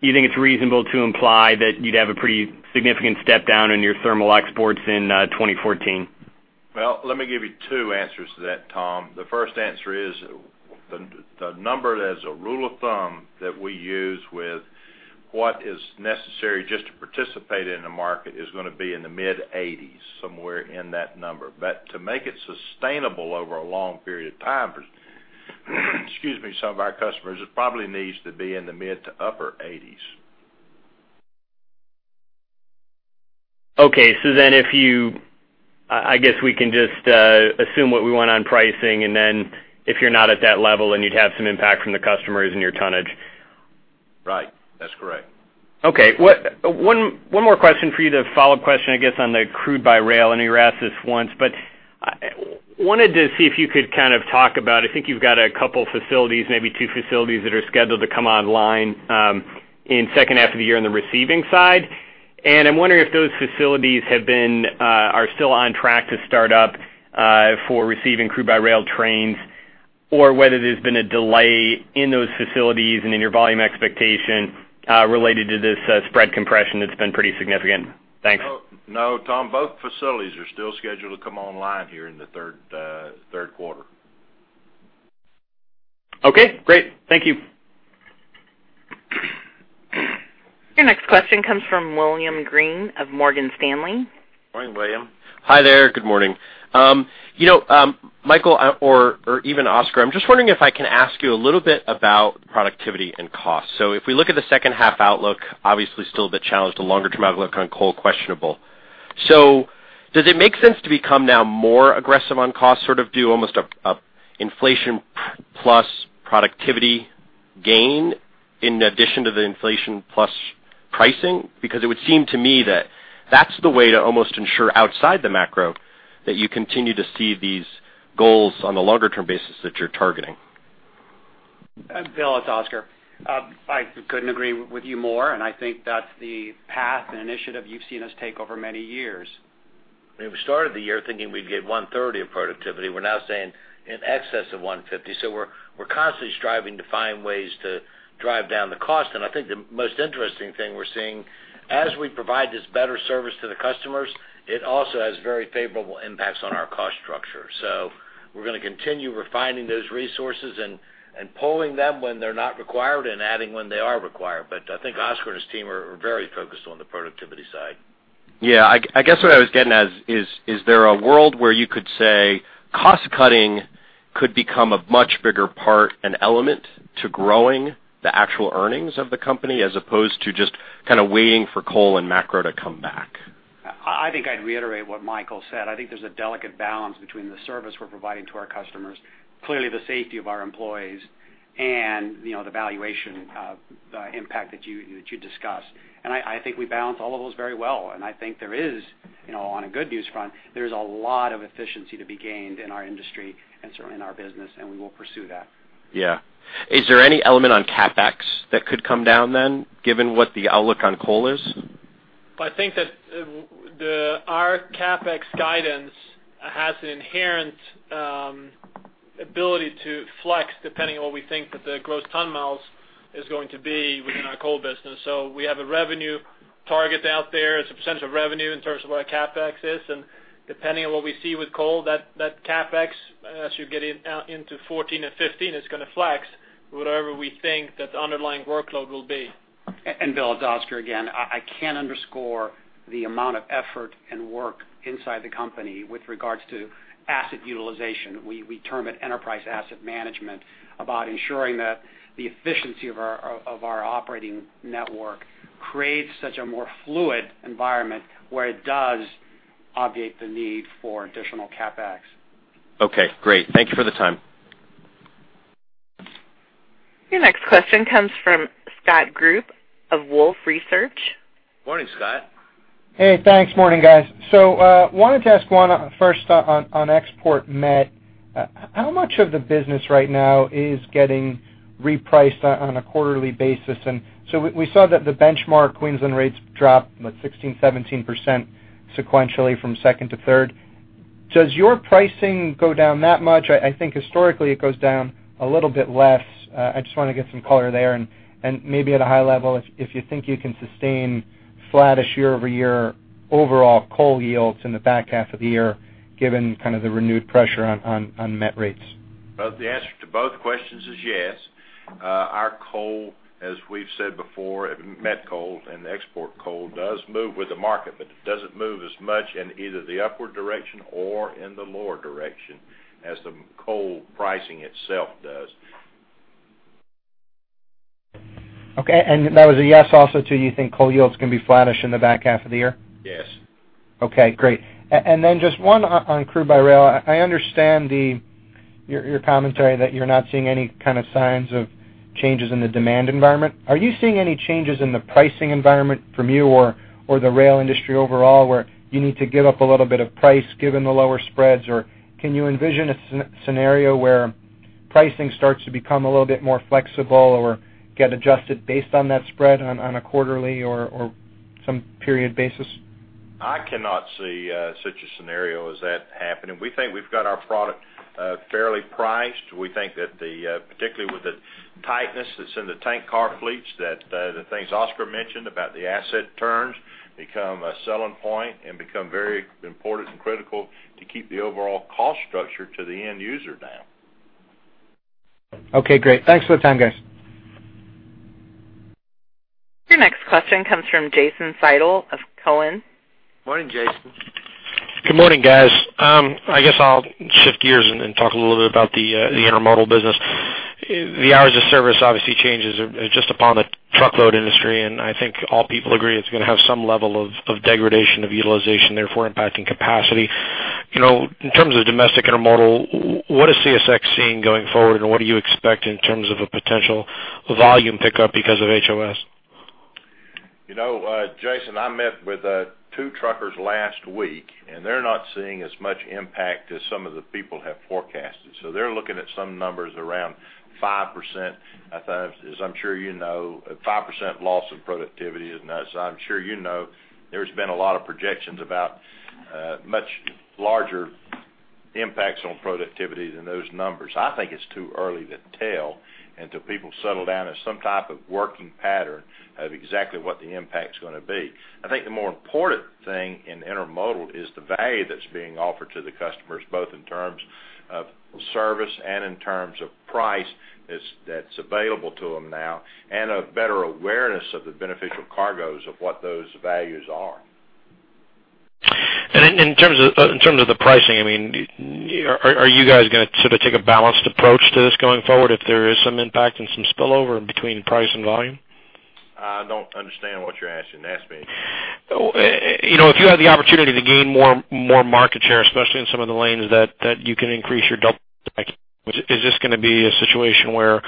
do you think it's reasonable to imply that you'd have a pretty significant step down in your thermal exports in 2014? Well, let me give you two answers to that, Tom. The first answer is, the number as a rule of thumb that we use with what is necessary just to participate in the market, is gonna be in the mid-80s, somewhere in that number. But to make it sustainable over a long period of time, for, excuse me, some of our customers, it probably needs to be in the mid- to upper 80s. Okay, so then if you I guess we can just assume what we want on pricing, and then if you're not at that level, then you'd have some impact from the customers and your tonnage. Right. That's correct. Okay, one more question for you, the follow-up question, I guess, on the crude by rail. I know you were asked this once, but wanted to see if you could kind of talk about it. I think you've got a couple facilities, maybe two facilities, that are scheduled to come online in second half of the year on the receiving side. And I'm wondering if those facilities have been, are still on track to start up for receiving crude by rail trains, or whether there's been a delay in those facilities and in your volume expectation related to this spread compression that's been pretty significant. Thanks. No, Tom, both facilities are still scheduled to come online here in the third quarter. Okay, great. Thank you. Your next question comes from William Greene of Morgan Stanley. Morning, William. Hi there. Good morning. You know, Michael, or even Oscar, I'm just wondering if I can ask you a little bit about productivity and cost. So if we look at the second half outlook, obviously still a bit challenged, the longer-term outlook on coal, questionable. So does it make sense to become now more aggressive on cost, sort of do almost an inflation plus productivity gain, in addition to the inflation plus pricing? Because it would seem to me that that's the way to almost ensure outside the macro, that you continue to see these goals on the longer term basis that you're targeting. Bill, it's Oscar. I couldn't agree with you more, and I think that's the path and initiative you've seen us take over many years. We started the year thinking we'd get one third of productivity. We're now saying in excess of 150. So we're, we're constantly striving to find ways to drive down the cost, and I think the most interesting thing we're seeing, as we provide this better service to the customers, it also has very favorable impacts on our cost structure. So we're gonna continue refining those resources and, and pulling them when they're not required and adding when they are required. But I think Oscar and his team are, are very focused on the productivity side. Yeah, I guess what I was getting at is, is there a world where you could say cost-cutting could become a much bigger part and element to growing the actual earnings of the company, as opposed to just kind of waiting for coal and macro to come back? I think I'd reiterate what Michael said. I think there's a delicate balance between the service we're providing to our customers, clearly, the safety of our employees, and, you know, the valuation of the impact that you discussed. And I think we balance all of those very well, and I think there is, you know, on a good news front, there's a lot of efficiency to be gained in our industry and certainly in our business, and we will pursue that. Yeah. Is there any element on CapEx that could come down then, given what the outlook on coal is? Well, I think that the our CapEx guidance has an inherent ability to flex, depending on what we think that the gross ton miles is going to be within our coal business. So we have a revenue target out there. It's a percentage of revenue in terms of what our CapEx is, and depending on what we see with coal, that, that CapEx, as you get into 2014 and 2015, is gonna flex whatever we think that the underlying workload will be. Bill, it's Oscar again. I can't underscore the amount of effort and work inside the company with regards to asset utilization. We term it enterprise asset management, about ensuring that the efficiency of our operating network creates such a more fluid environment where it does obviate the need for additional CapEx. Okay, great. Thank you for the time. Your next question comes from Scott Group of Wolfe Research. Morning, Scott. Hey, thanks. Morning, guys. So, wanted to ask one first on export met. How much of the business right now is getting repriced on a quarterly basis? And so we saw that the benchmark Queensland rates dropped, what, 16%-17% sequentially from second to third. Does your pricing go down that much? I think historically, it goes down a little bit less. I just wanna get some color there, and maybe at a high level, if you think you can sustain flattish year-over-year overall coal yields in the back half of the year, given kind of the renewed pressure on met rates. Well, the answer to both questions is yes. Our coal, as we've said before, Met Coal and export coal, does move with the market, but it doesn't move as much in either the upward direction or in the lower direction as the coal pricing itself does. Okay, and that was a yes also to you think coal yields can be flattish in the back half of the year? Yes. Okay, great. And then just one on crude by rail. I understand your commentary that you're not seeing any kind of signs of changes in the demand environment. Are you seeing any changes in the pricing environment from you or the rail industry overall, where you need to give up a little bit of price given the lower spreads, or can you envision a scenario where pricing starts to become a little bit more flexible or get adjusted based on that spread on a quarterly or some period basis? I cannot see such a scenario as that happening. We think we've got our product fairly priced. We think that the, particularly with the tightness that's in the tank car fleets, that the things Oscar mentioned about the asset turns become a selling point and become very important and critical to keep the overall cost structure to the end user down. Okay, great. Thanks for the time, guys. Your next question comes from Jason Seidel of Cowen. Morning, Jason. Good morning, guys. I guess I'll shift gears and talk a little bit about the intermodal business. The hours of service obviously changes are just upon the truckload industry, and I think all people agree it's gonna have some level of degradation of utilization, therefore impacting capacity. You know, in terms of domestic intermodal, what is CSX seeing going forward, and what do you expect in terms of a potential volume pickup because of HOS? You know, Jason, I met with two truckers last week, and they're not seeing as much impact as some of the people have forecasted. So they're looking at some numbers around 5%. I thought, as I'm sure you know, a 5% loss of productivity, and as I'm sure you know, there's been a lot of projections about much larger impacts on productivity than those numbers. I think it's too early to tell until people settle down at some type of working pattern of exactly what the impact's gonna be. I think the more important thing in intermodal is the value that's being offered to the customers, both in terms of service and in terms of price, that's available to them now, and a better awareness of the beneficial cargoes of what those values are. In terms of the pricing, I mean, are you guys gonna sort of take a balanced approach to this going forward if there is some impact and some spillover between price and volume? I don't understand what you're asking. Ask me again. You know, if you had the opportunity to gain more market share, especially in some of the lanes that you can increase your double... Is this gonna be a situation where,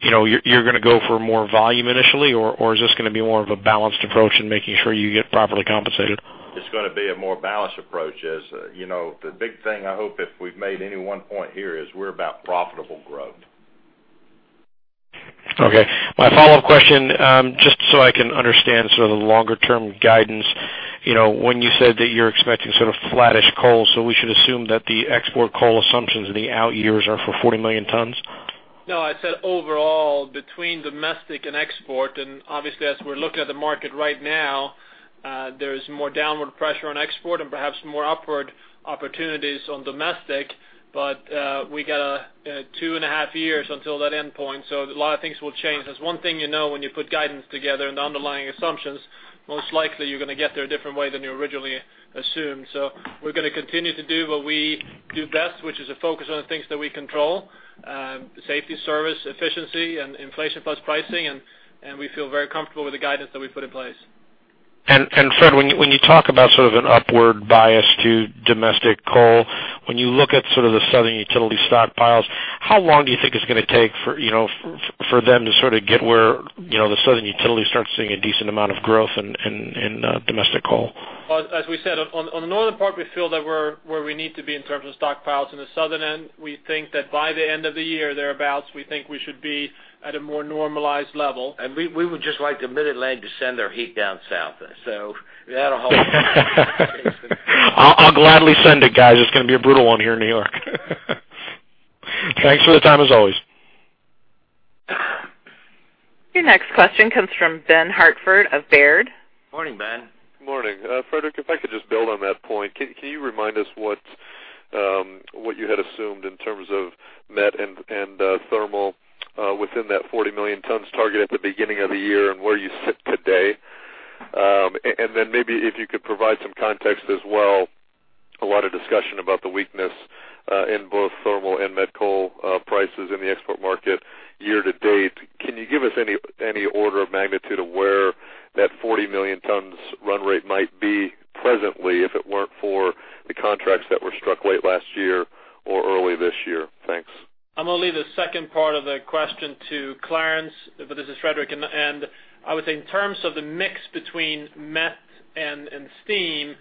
you know, you're gonna go for more volume initially, or is this gonna be more of a balanced approach in making sure you get properly compensated? It's gonna be a more balanced approach. As you know, the big thing I hope if we've made any one point here, is we're about profitable growth. Okay. My follow-up question, just so I can understand sort of the longer-term guidance, you know, when you said that you're expecting sort of flattish coal, so we should assume that the export coal assumptions in the out years are for 40 million tons? No, I said overall, between domestic and export, and obviously as we're looking at the market right now, there's more downward pressure on export and perhaps more upward opportunities on domestic. But, we got a 2.5 years until that endpoint, so a lot of things will change. There's one thing you know, when you put guidance together and the underlying assumptions, most likely you're gonna get there a different way than you originally assumed. So we're gonna continue to do what we do best, which is to focus on the things that we control, safety, service, efficiency, and inflation plus pricing, and we feel very comfortable with the guidance that we put in place. Fred, when you talk about sort of an upward bias to domestic coal, when you look at sort of the southern utility stockpiles, how long do you think it's gonna take for, you know, for them to sort of get where, you know, the southern utilities start seeing a decent amount of growth in domestic coal? Well, as we said, on the northern part, we feel that we're where we need to be in terms of stockpiles. In the southern end, we think that by the end of the year, thereabouts, we think we should be at a more normalized level. We would just like the Mid-Atlantic to send their heat down south. So that'll help. I'll gladly send it, guys. It's gonna be a brutal one here in New York. Thanks for the time, as always. Your next question comes from Ben Hartford of Baird. Morning, Ben. Good morning. Fredrik, if I could just build on that point, can you remind us what, what you had assumed in terms of met and thermal within that 40 million tons target at the beginning of the year and where you sit today? And then maybe if you could provide some context as well, a lot of discussion about the weakness in both thermal and met coal prices in the export market year to date. Can you give us any order of magnitude of where that 40 million tons run rate might be presently if it weren't for the contracts that were struck late last year or early this year? Thanks. I'm going leave the second part of the question to Clarence, but this is Fredrik. And I would say in terms of the mix between met and steam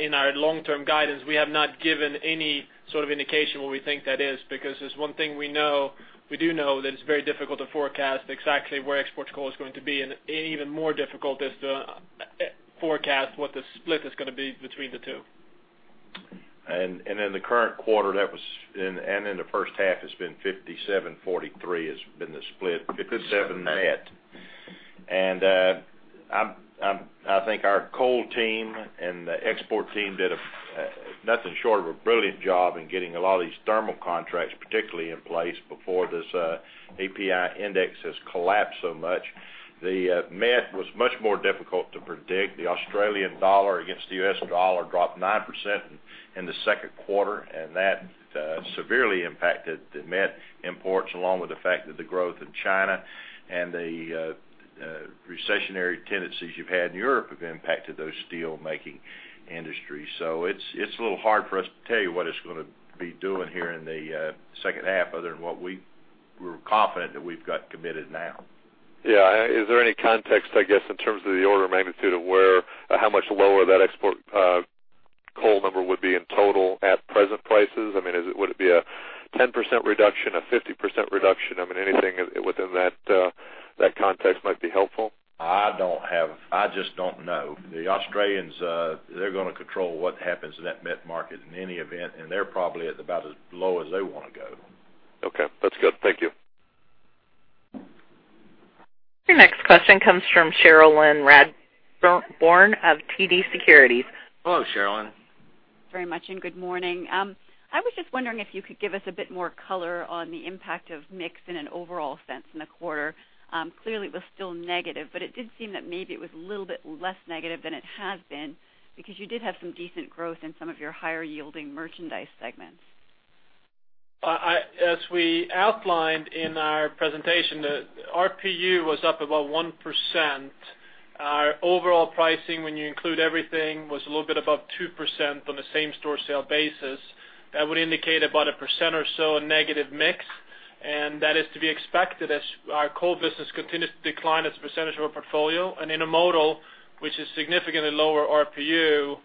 in our long-term guidance, we have not given any sort of indication where we think that is, because there's one thing we know, we do know that it's very difficult to forecast exactly where export coal is going to be, and even more difficult is to forecast what the split is gonna be between the two. And in the current quarter, that was. And in the first half, it's been 57-43, 57 met. And I think our coal team and the export team did nothing short of a brilliant job in getting a lot of these thermal contracts, particularly in place before this API index has collapsed so much. The met was much more difficult to predict. The Australian dollar against the US dollar dropped 9% in the second quarter, and that severely impacted the met imports, along with the fact that the growth in China and the recessionary tendencies you've had in Europe have impacted those steelmaking industries. So it's a little hard for us to tell you what it's gonna be doing here in the second half, other than what we're confident that we've got committed now. Yeah. Is there any context, I guess, in terms of the order of magnitude of where or how much lower that export coal number would be in total at present prices? I mean, is it, would it be a 10% reduction, a 50% reduction? I mean, anything within that context might be helpful. I don't have. I just don't know. The Australians, they're gonna control what happens in that met market in any event, and they're probably at about as low as they wanna go. Okay, that's good. Thank you. Your next question comes from Cherilyn Radbourne of TD Securities. Hello, Cherilyn. Very much, and good morning. I was just wondering if you could give us a bit more color on the impact of mix in an overall sense in the quarter. Clearly, it was still negative, but it did seem that maybe it was a little bit less negative than it has been, because you did have some decent growth in some of your higher-yielding merchandise segments. As we outlined in our presentation, the RPU was up about 1%. Our overall pricing, when you include everything, was a little bit above 2% on a same-store sale basis. That would indicate about 1% or so negative mix, and that is to be expected as our coal business continues to decline as a percentage of our portfolio. And intermodal, which is significantly lower RPU,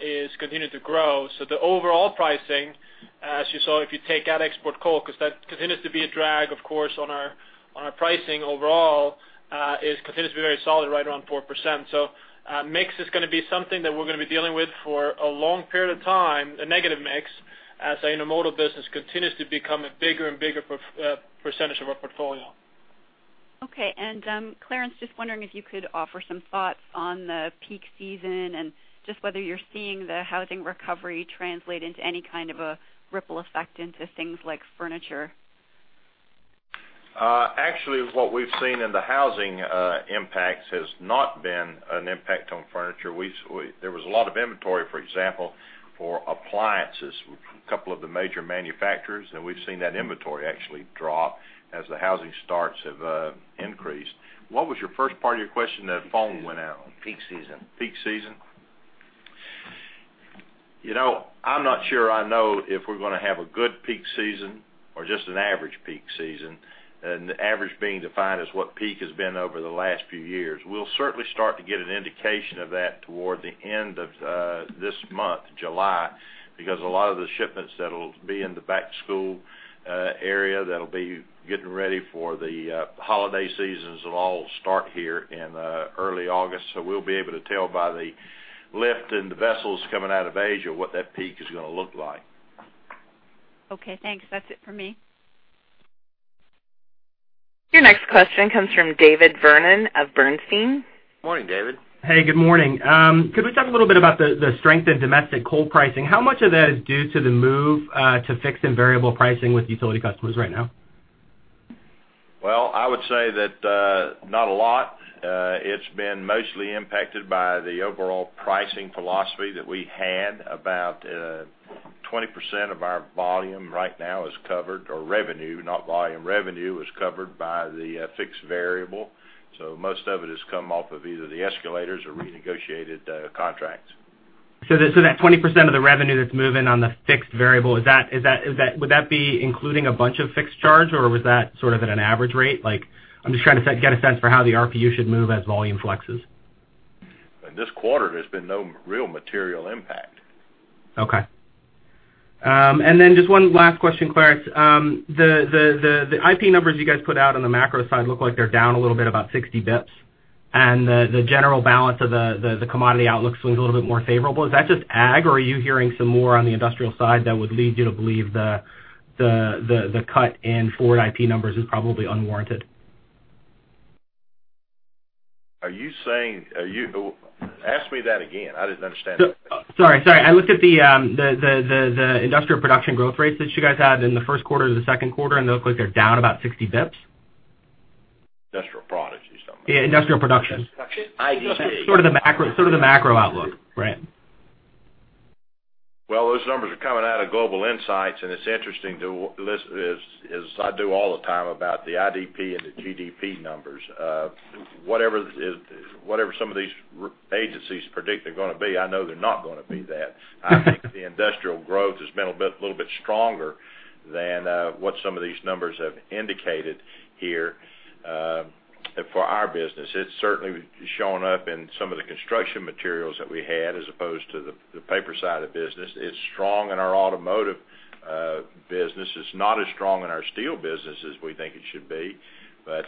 is continuing to grow. So the overall pricing, as you saw, if you take out export coal, because that continues to be a drag, of course, on our pricing overall, it continues to be very solid, right around 4%. So, mix is gonna be something that we're gonna be dealing with for a long period of time, the negative mix, as our intermodal business continues to become a bigger and bigger percentage of our portfolio. Okay. And, Clarence, just wondering if you could offer some thoughts on the peak season and just whether you're seeing the housing recovery translate into any kind of a ripple effect into things like furniture? Actually, what we've seen in the housing impacts has not been an impact on furniture. There was a lot of inventory, for example, for appliances, a couple of the major manufacturers, and we've seen that inventory actually drop as the housing starts have increased. What was your first part of your question that phone went out on? Peak season. Peak season? You know, I'm not sure I know if we're gonna have a good peak season or just an average peak season, and the average being defined as what peak has been over the last few years. We'll certainly start to get an indication of that toward the end of this month, July, because a lot of the shipments that'll be in the back to school area, that'll be getting ready for the holiday seasons will all start here in early August. So we'll be able to tell by the lift in the vessels coming out of Asia, what that peak is gonna look like. Okay, thanks. That's it for me. Your next question comes from David Vernon of Bernstein. Morning, David. Hey, good morning. Could we talk a little bit about the, the strength in domestic coal pricing? How much of that is due to the move, to fixed and variable pricing with utility customers right now? Well, I would say that, not a lot. It's been mostly impacted by the overall pricing philosophy that we had. About, 20% of our volume right now is covered, or revenue, not volume. Revenue is covered by the, fixed variable, so most of it has come off of either the escalators or renegotiated, contracts. So that 20% of the revenue that's moving on the fixed variable, is that would that be including a bunch of fixed charge, or was that sort of at an average rate? Like, I'm just trying to get a sense for how the RPU should move as volume flexes. In this quarter, there's been no real material impact. Okay. And then just one last question, Clarence. The IP numbers you guys put out on the macro side look like they're down a little bit, about 60 basis points, and the general balance of the commodity outlook seems a little bit more favorable. Is that just ag, or are you hearing some more on the industrial side that would lead you to believe the cut in forward IP numbers is probably unwarranted? Are you saying, are you? Ask me that again. I didn't understand. Sorry, sorry. I looked at the industrial production growth rates that you guys had in the first quarter to the Second Quarter, and it looks like they're down about 60 basis points. Industrial products, you're talking about? Yeah, industrial production. Industrial production. Sort of the macro, sort of the macro outlook, right. Well, those numbers are coming out of Global Insights, and it's interesting to list, as I do all the time, about the IDP and the GDP numbers. Whatever some of these agencies predict they're gonna be, I know they're not gonna be that. I think the industrial growth has been a little bit stronger than what some of these numbers have indicated here for our business. It's certainly showing up in some of the construction materials that we had, as opposed to the paper side of the business. It's strong in our automotive business. It's not as strong in our steel business as we think it should be. But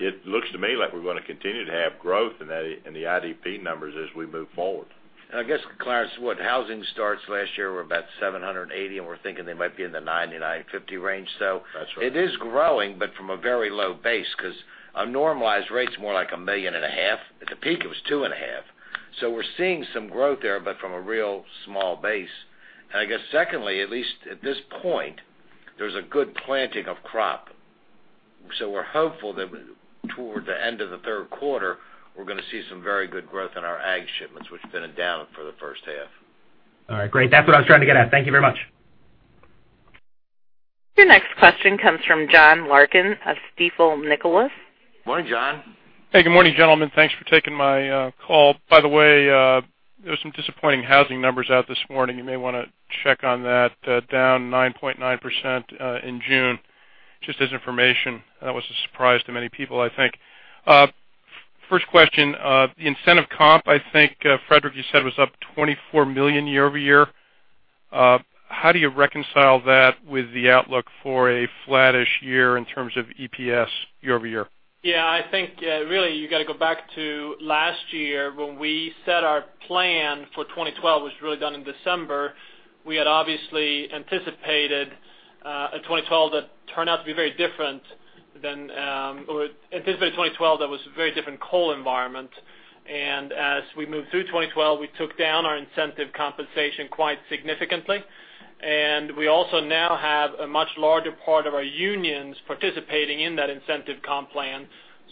it looks to me like we're gonna continue to have growth in that, in the IDP numbers as we move forward. I guess, Clarence, what, housing starts last year were about 780, and we're thinking they might be in the 950 range. So- That's right. It is growing, but from a very low base, 'cause a normalized rate's more like 1.5 million. At the peak, it was 2.5. So we're seeing some growth there, but from a real small base. And I guess secondly, at least at this point, there's a good planting of crop. So we're hopeful that toward the end of the third quarter, we're gonna see some very good growth in our ag shipments, which have been down for the first half. All right, great. That's what I was trying to get at. Thank you very much. Your next question comes from John Larkin of Stifel Nicolaus. Morning, John. Hey, good morning, gentlemen. Thanks for taking my call. By the way, there were some disappointing housing numbers out this morning. You may wanna check on that, down 9.9% in June. Just as information, that was a surprise to many people, I think. First question, the incentive comp, I think, Fredrik, you said, was up $24 million year-over-year. How do you reconcile that with the outlook for a flattish year in terms of EPS year-over-year? Yeah, I think, really, you going to go back to last year when we set our plan for 2012, which was really done in December. We had obviously anticipated a 2012 that turned out to be very different than or anticipated 2012, that was a very different coal environment. And as we moved through 2012, we took down our incentive compensation quite significantly, and we also now have a much larger part of our unions participating in that incentive comp plan.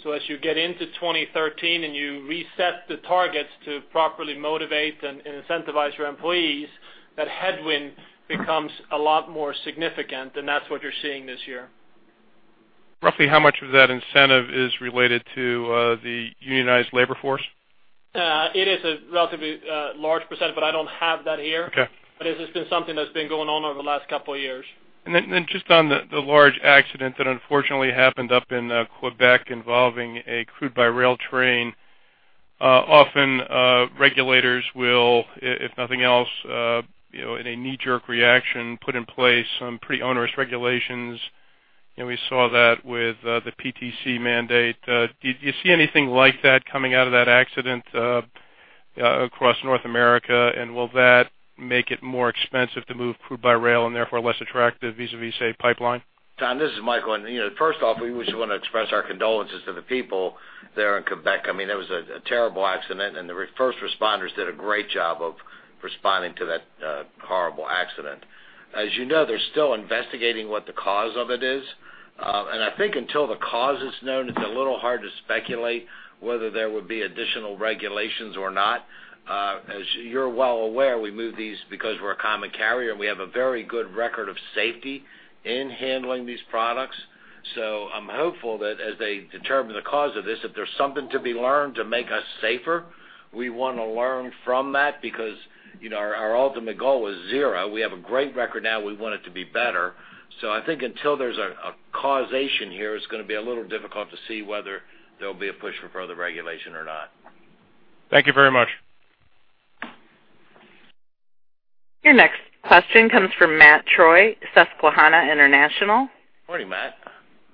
So as you get into 2013 and you reset the targets to properly motivate and incentivize your employees, that headwind becomes a lot more significant, and that's what you're seeing this year. Roughly how much of that incentive is related to the unionized labor force? It is a relatively large %, but I don't have that here. Okay. But this has been something that's been going on over the last couple of years. And then just on the large accident that unfortunately happened up in Quebec, involving a crude-by-rail train. Often, regulators will, if nothing else, you know, in a knee-jerk reaction, put in place some pretty onerous regulations. You know, we saw that with the PTC mandate. Do you see anything like that coming out of that accident across North America? And will that make it more expensive to move crude by rail and therefore less attractive vis-a-vis, say, pipeline? John, this is Michael, and, you know, first off, we just want to express our condolences to the people there in Quebec. I mean, that was a terrible accident, and the first responders did a great job of responding to that horrible accident. As you know, they're still investigating what the cause of it is. And I think until the cause is known, it's a little hard to speculate whether there would be additional regulations or not. As you're well aware, we move these because we're a common carrier, and we have a very good record of safety in handling these products. So I'm hopeful that as they determine the cause of this, if there's something to be learned to make us safer, we want to learn from that because, you know, our ultimate goal is zero. We have a great record now. We want it to be better. So I think until there's a causation here, it's gonna be a little difficult to see whether there'll be a push for further regulation or not. Thank you very much. Your next question comes from Matt Troy, Susquehanna International. Morning, Matt.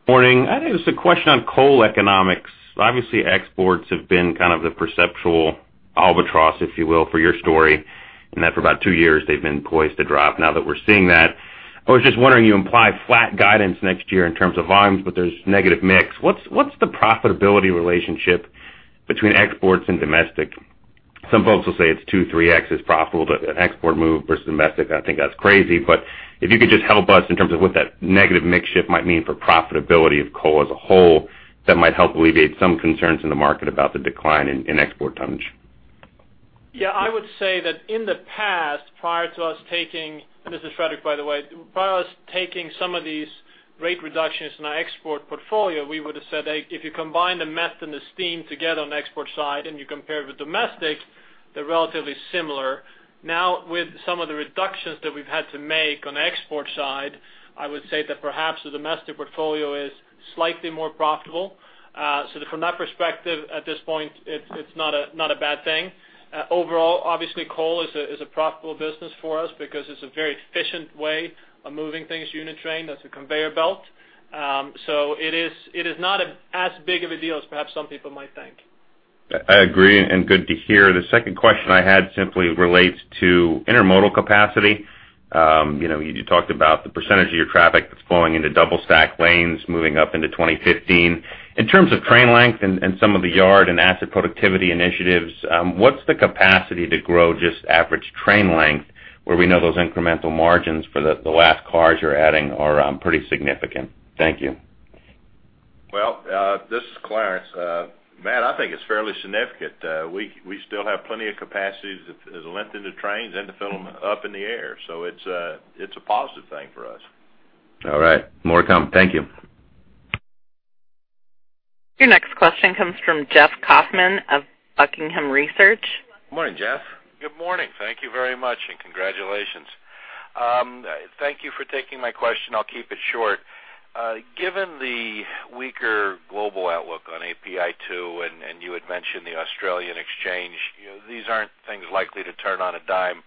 Morning. I think it's a question on coal economics. Obviously, exports have been kind of the perpetual albatross, if you will, for your story, and that for about two years, they've been poised to drop. Now that we're seeing that, I was just wondering, you implied flat guidance next year in terms of volumes, but there's negative mix. What's the profitability relationship between exports and domestic? Some folks will say it's 2x-3x as profitable to an export move versus domestic. I think that's crazy, but if you could just help us in terms of what that negative mix shift might mean for profitability of coal as a whole, that might help alleviate some concerns in the market about the decline in export tonnage. Yeah, I would say that in the past, prior to us taking, this is Fredrik, by the way, prior to us taking some of these rate reductions in our export portfolio, we would have said, hey, if you combine the meth and the steam together on the export side and you compare it with domestic, they're relatively similar. Now, with some of the reductions that we've had to make on the export side, I would say that perhaps the domestic portfolio is slightly more profitable. So from that perspective, at this point, it's, it's not a, not a bad thing. Overall, obviously, coal is a, is a profitable business for us because it's a very efficient way of moving things, unit train, that's a conveyor belt. So it is, it is not as big of a deal as perhaps some people might think. I agree, and good to hear. The second question I had simply relates to intermodal capacity. You know, you talked about the percentage of your traffic that's flowing into double-stack lanes moving up into 2015. In terms of train length and, and some of the yard and asset productivity initiatives, what's the capacity to grow just average train length, where we know those incremental margins for the, the last cars you're adding are, pretty significant? Thank you. Well, this is Clarence. Matt, I think it's fairly significant. We still have plenty of capacity to lengthen the trains and to fill them up in the air, so it's a positive thing for us. All right. More to come. Thank you. Your next question comes from Jeff Kauffman of Buckingham Research. Morning, Jeff. Good morning. Thank you very much, and congratulations. Thank you for taking my question. I'll keep it short. Given the weaker global outlook on API 2, and you had mentioned the Australian Exchange, you know, these aren't things likely to turn on a dime,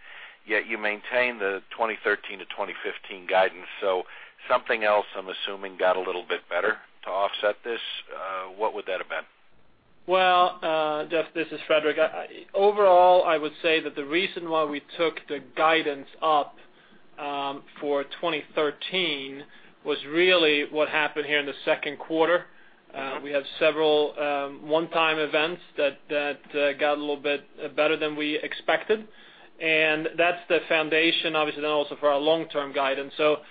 yet you maintain the 2013-2015 guidance. So something else, I'm assuming, got a little bit better to offset this. What would that have been? Well, Jeff, this is Fredrik. Overall, I would say that the reason why we took the guidance up for 2013 was really what happened here in the second quarter. We have several one-time events that got a little bit better than we expected, and that's the foundation, obviously, then also for our long-term guidance. So,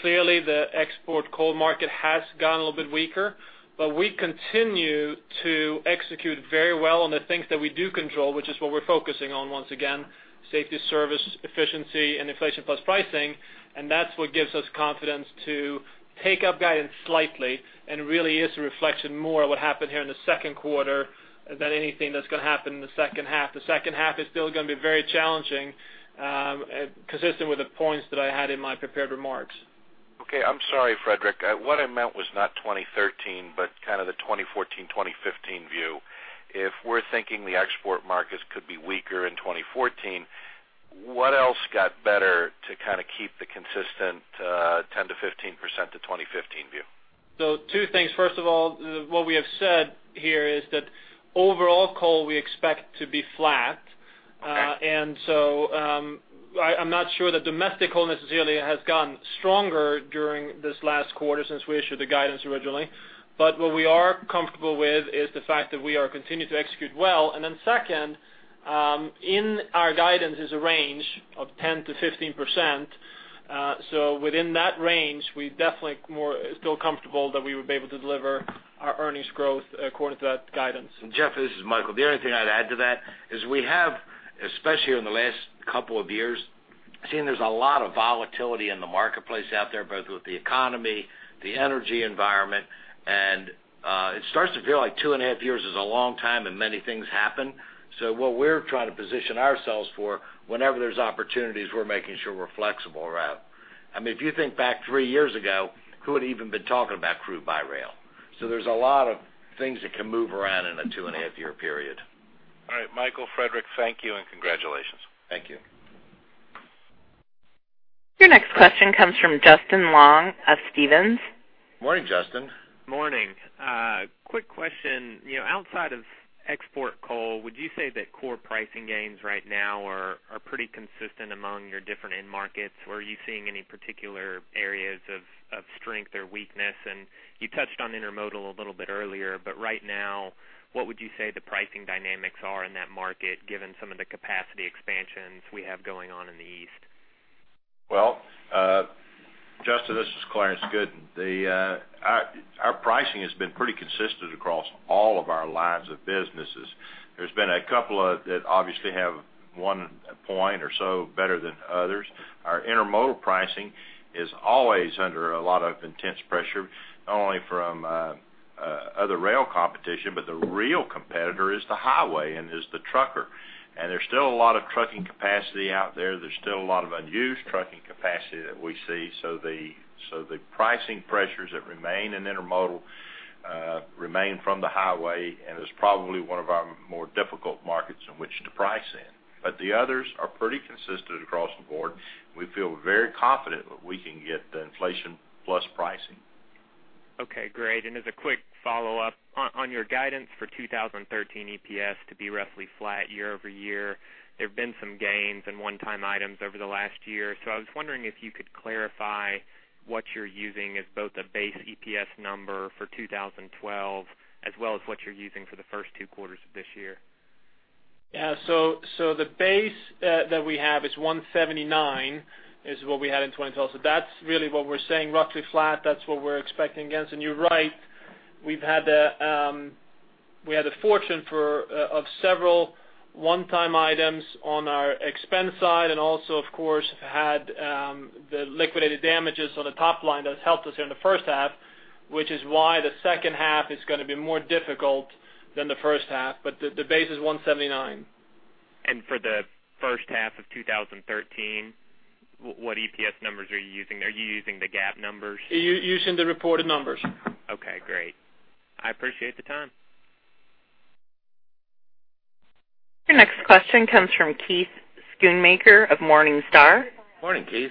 clearly, the export coal market has gotten a little bit weaker, but we continue to execute very well on the things that we do control, which is what we're focusing on once again, safety, service, efficiency, and inflation plus pricing. And that's what gives us confidence to take up guidance slightly, and really is a reflection more of what happened here in the second quarter than anything that's gonna happen in the second half. The second half is still gonna be very challenging, consistent with the points that I had in my prepared remarks. Okay. I'm sorry, Fredrik. What I meant was not 2013, but kind of the 2014, 2015 view. If we're thinking the export markets could be weaker in 2014, what else got better to kind of keep the consistent 10%-15% to 2015 view? Two things. First of all, what we have said here is that overall coal, we expect to be flat. Okay. And so, I, I'm not sure the domestic coal necessarily has gotten stronger during this last quarter since we issued the guidance originally. But what we are comfortable with is the fact that we are continuing to execute well. And then second, in our guidance is a range of 10%-15%. So within that range, we're definitely more still comfortable that we would be able to deliver our earnings growth according to that guidance. Jeff, this is Michael. The only thing I'd add to that is we have, especially in the last couple of years, seen there's a lot of volatility in the marketplace out there, both with the economy, the energy environment, and it starts to feel like two and a half years is a long time, and many things happen. So what we're trying to position ourselves for, whenever there's opportunities, we're making sure we're flexible around. I mean, if you think back three years ago, who would even been talking about crude by rail? So there's a lot of things that can move around in a two and a half year period. All right. Michael, Fredrik, thank you, and congratulations. Thank you. Your next question comes from Justin Long of Stephens. Morning, Justin. Morning. Quick question. You know, outside of export coal, would you say that core pricing gains right now are pretty consistent among your different end markets? Or are you seeing any particular areas of strength or weakness? And you touched on intermodal a little bit earlier, but right now, what would you say the pricing dynamics are in that market, given some of the capacity expansions we have going on in the east? Well, Justin, this is Clarence Gooden. The, our, our pricing has been pretty consistent across all of our lines of businesses. There's been a couple of that obviously have one point or so better than others. Our intermodal pricing is always under a lot of intense pressure, not only from, other rail competition, but the real competitor is the highway and is the trucker. And there's still a lot of trucking capacity out there. There's still a lot of unused trucking capacity that we see. So the, so the pricing pressures that remain in intermodal, remain from the highway, and is probably one of our more difficult markets in which to price in. But the others are pretty consistent across the board. We feel very confident that we can get the inflation plus pricing. Okay, great. As a quick follow-up, on your guidance for 2013 EPS to be roughly flat year-over-year, there have been some gains and one-time items over the last year. I was wondering if you could clarify what you're using as both a base EPS number for 2012, as well as what you're using for the first two quarters of this year. Yeah. So, so the base, that we have is 179, is what we had in 2012. So that's really what we're saying, roughly flat, that's what we're expecting against. And you're right.... We've had the, we had the fortune for, of several one-time items on our expense side, and also, of course, had, the liquidated damages on the top line that helped us here in the first half, which is why the second half is gonna be more difficult than the first half, but the, the base is 179. For the first half of 2013, what EPS numbers are you using? Are you using the GAAP numbers? Using the reported numbers. Okay, great. I appreciate the time. Your next question comes from Keith Schoonmaker of Morningstar. Morning, Keith.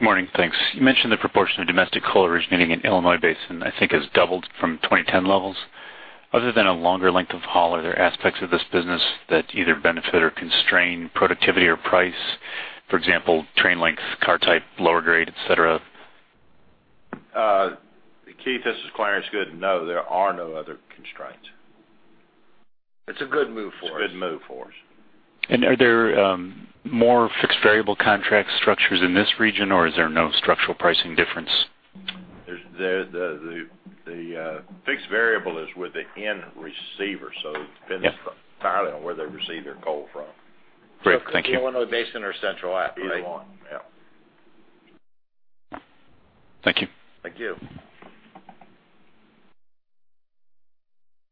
Morning. Thanks. You mentioned the proportion of domestic coal originating in Illinois Basin, I think, has doubled from 2010 levels. Other than a longer length of haul, are there aspects of this business that either benefit or constrain productivity or price? For example, train length, car type, lower grade, et cetera. Keith, this is Clarence Gooden. No, there are no other constraints. It's a good move for us. It's a good move for us. Are there more fixed variable contract structures in this region, or is there no structural pricing difference? There's the fixed variable is with the end receiver, so- Yeah - depends entirely on where they receive their coal from. Great, thank you. Illinois Basin or Central Appalachian. Either one, yeah. Thank you. Thank you.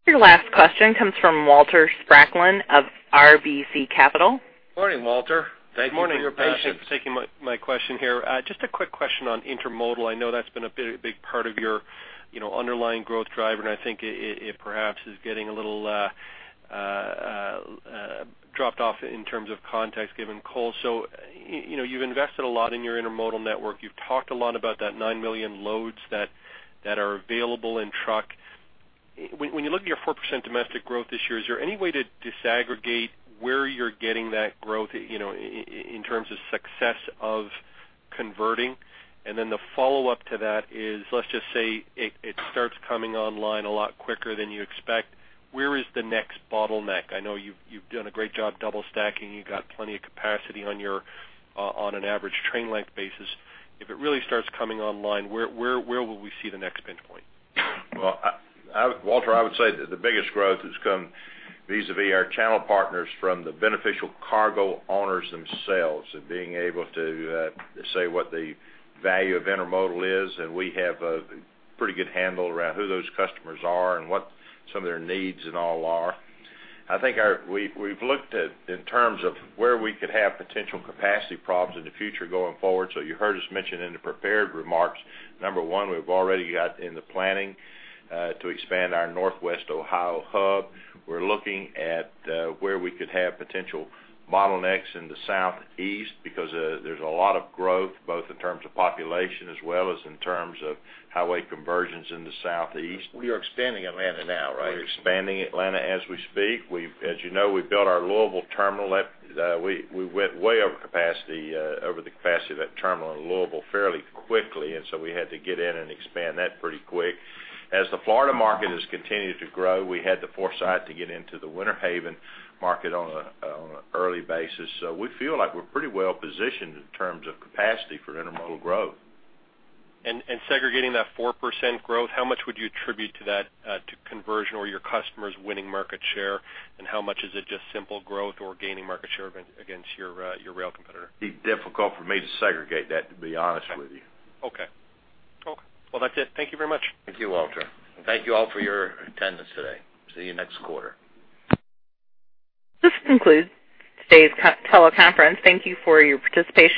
Your last question comes from Walter Spracklin of RBC Capital. Morning, Walter. Thank you for your patience. Morning. Thanks for taking my question here. Just a quick question on intermodal. I know that's been a big, big part of your, you know, underlying growth driver, and I think it perhaps is getting a little dropped off in terms of context, given coal. So you know, you've invested a lot in your intermodal network. You've talked a lot about that 9 million loads that are available in truck. When you look at your 4% domestic growth this year, is there any way to disaggregate where you're getting that growth, you know, in terms of success of converting? And then the follow-up to that is, let's just say it starts coming online a lot quicker than you expect, where is the next bottleneck? I know you've done a great job double stacking. You've got plenty of capacity on your, on an average train length basis. If it really starts coming online, where, where, where will we see the next pinpoint? Well, Walter, I would say that the biggest growth has come vis-a-vis our channel partners from the beneficial cargo owners themselves, and being able to say what the value of intermodal is. And we have a pretty good handle around who those customers are and what some of their needs and all are. I think our we've looked at in terms of where we could have potential capacity problems in the future going forward. So you heard us mention in the prepared remarks, number one, we've already got in the planning to expand our Northwest Ohio hub. We're looking at where we could have potential bottlenecks in the Southeast because there's a lot of growth, both in terms of population as well as in terms of highway conversions in the Southeast. We are expanding Atlanta now, right? We're expanding Atlanta as we speak. We've, as you know, we built our Louisville terminal at, we, we went way over capacity, over the capacity of that terminal in Louisville fairly quickly, and so we had to get in and expand that pretty quick. As the Florida market has continued to grow, we had the foresight to get into the Winter Haven market on a, on an early basis. So we feel like we're pretty well positioned in terms of capacity for intermodal growth. Segregating that 4% growth, how much would you attribute to that, to conversion or your customers winning market share? And how much is it just simple growth or gaining market share again against your, your rail competitor? be difficult for me to segregate that, to be honest with you. Okay. Well, that's it. Thank you very much. Thank you, Walter. Thank you all for your attendance today. See you next quarter. This concludes today's conference call. Thank you for your participation.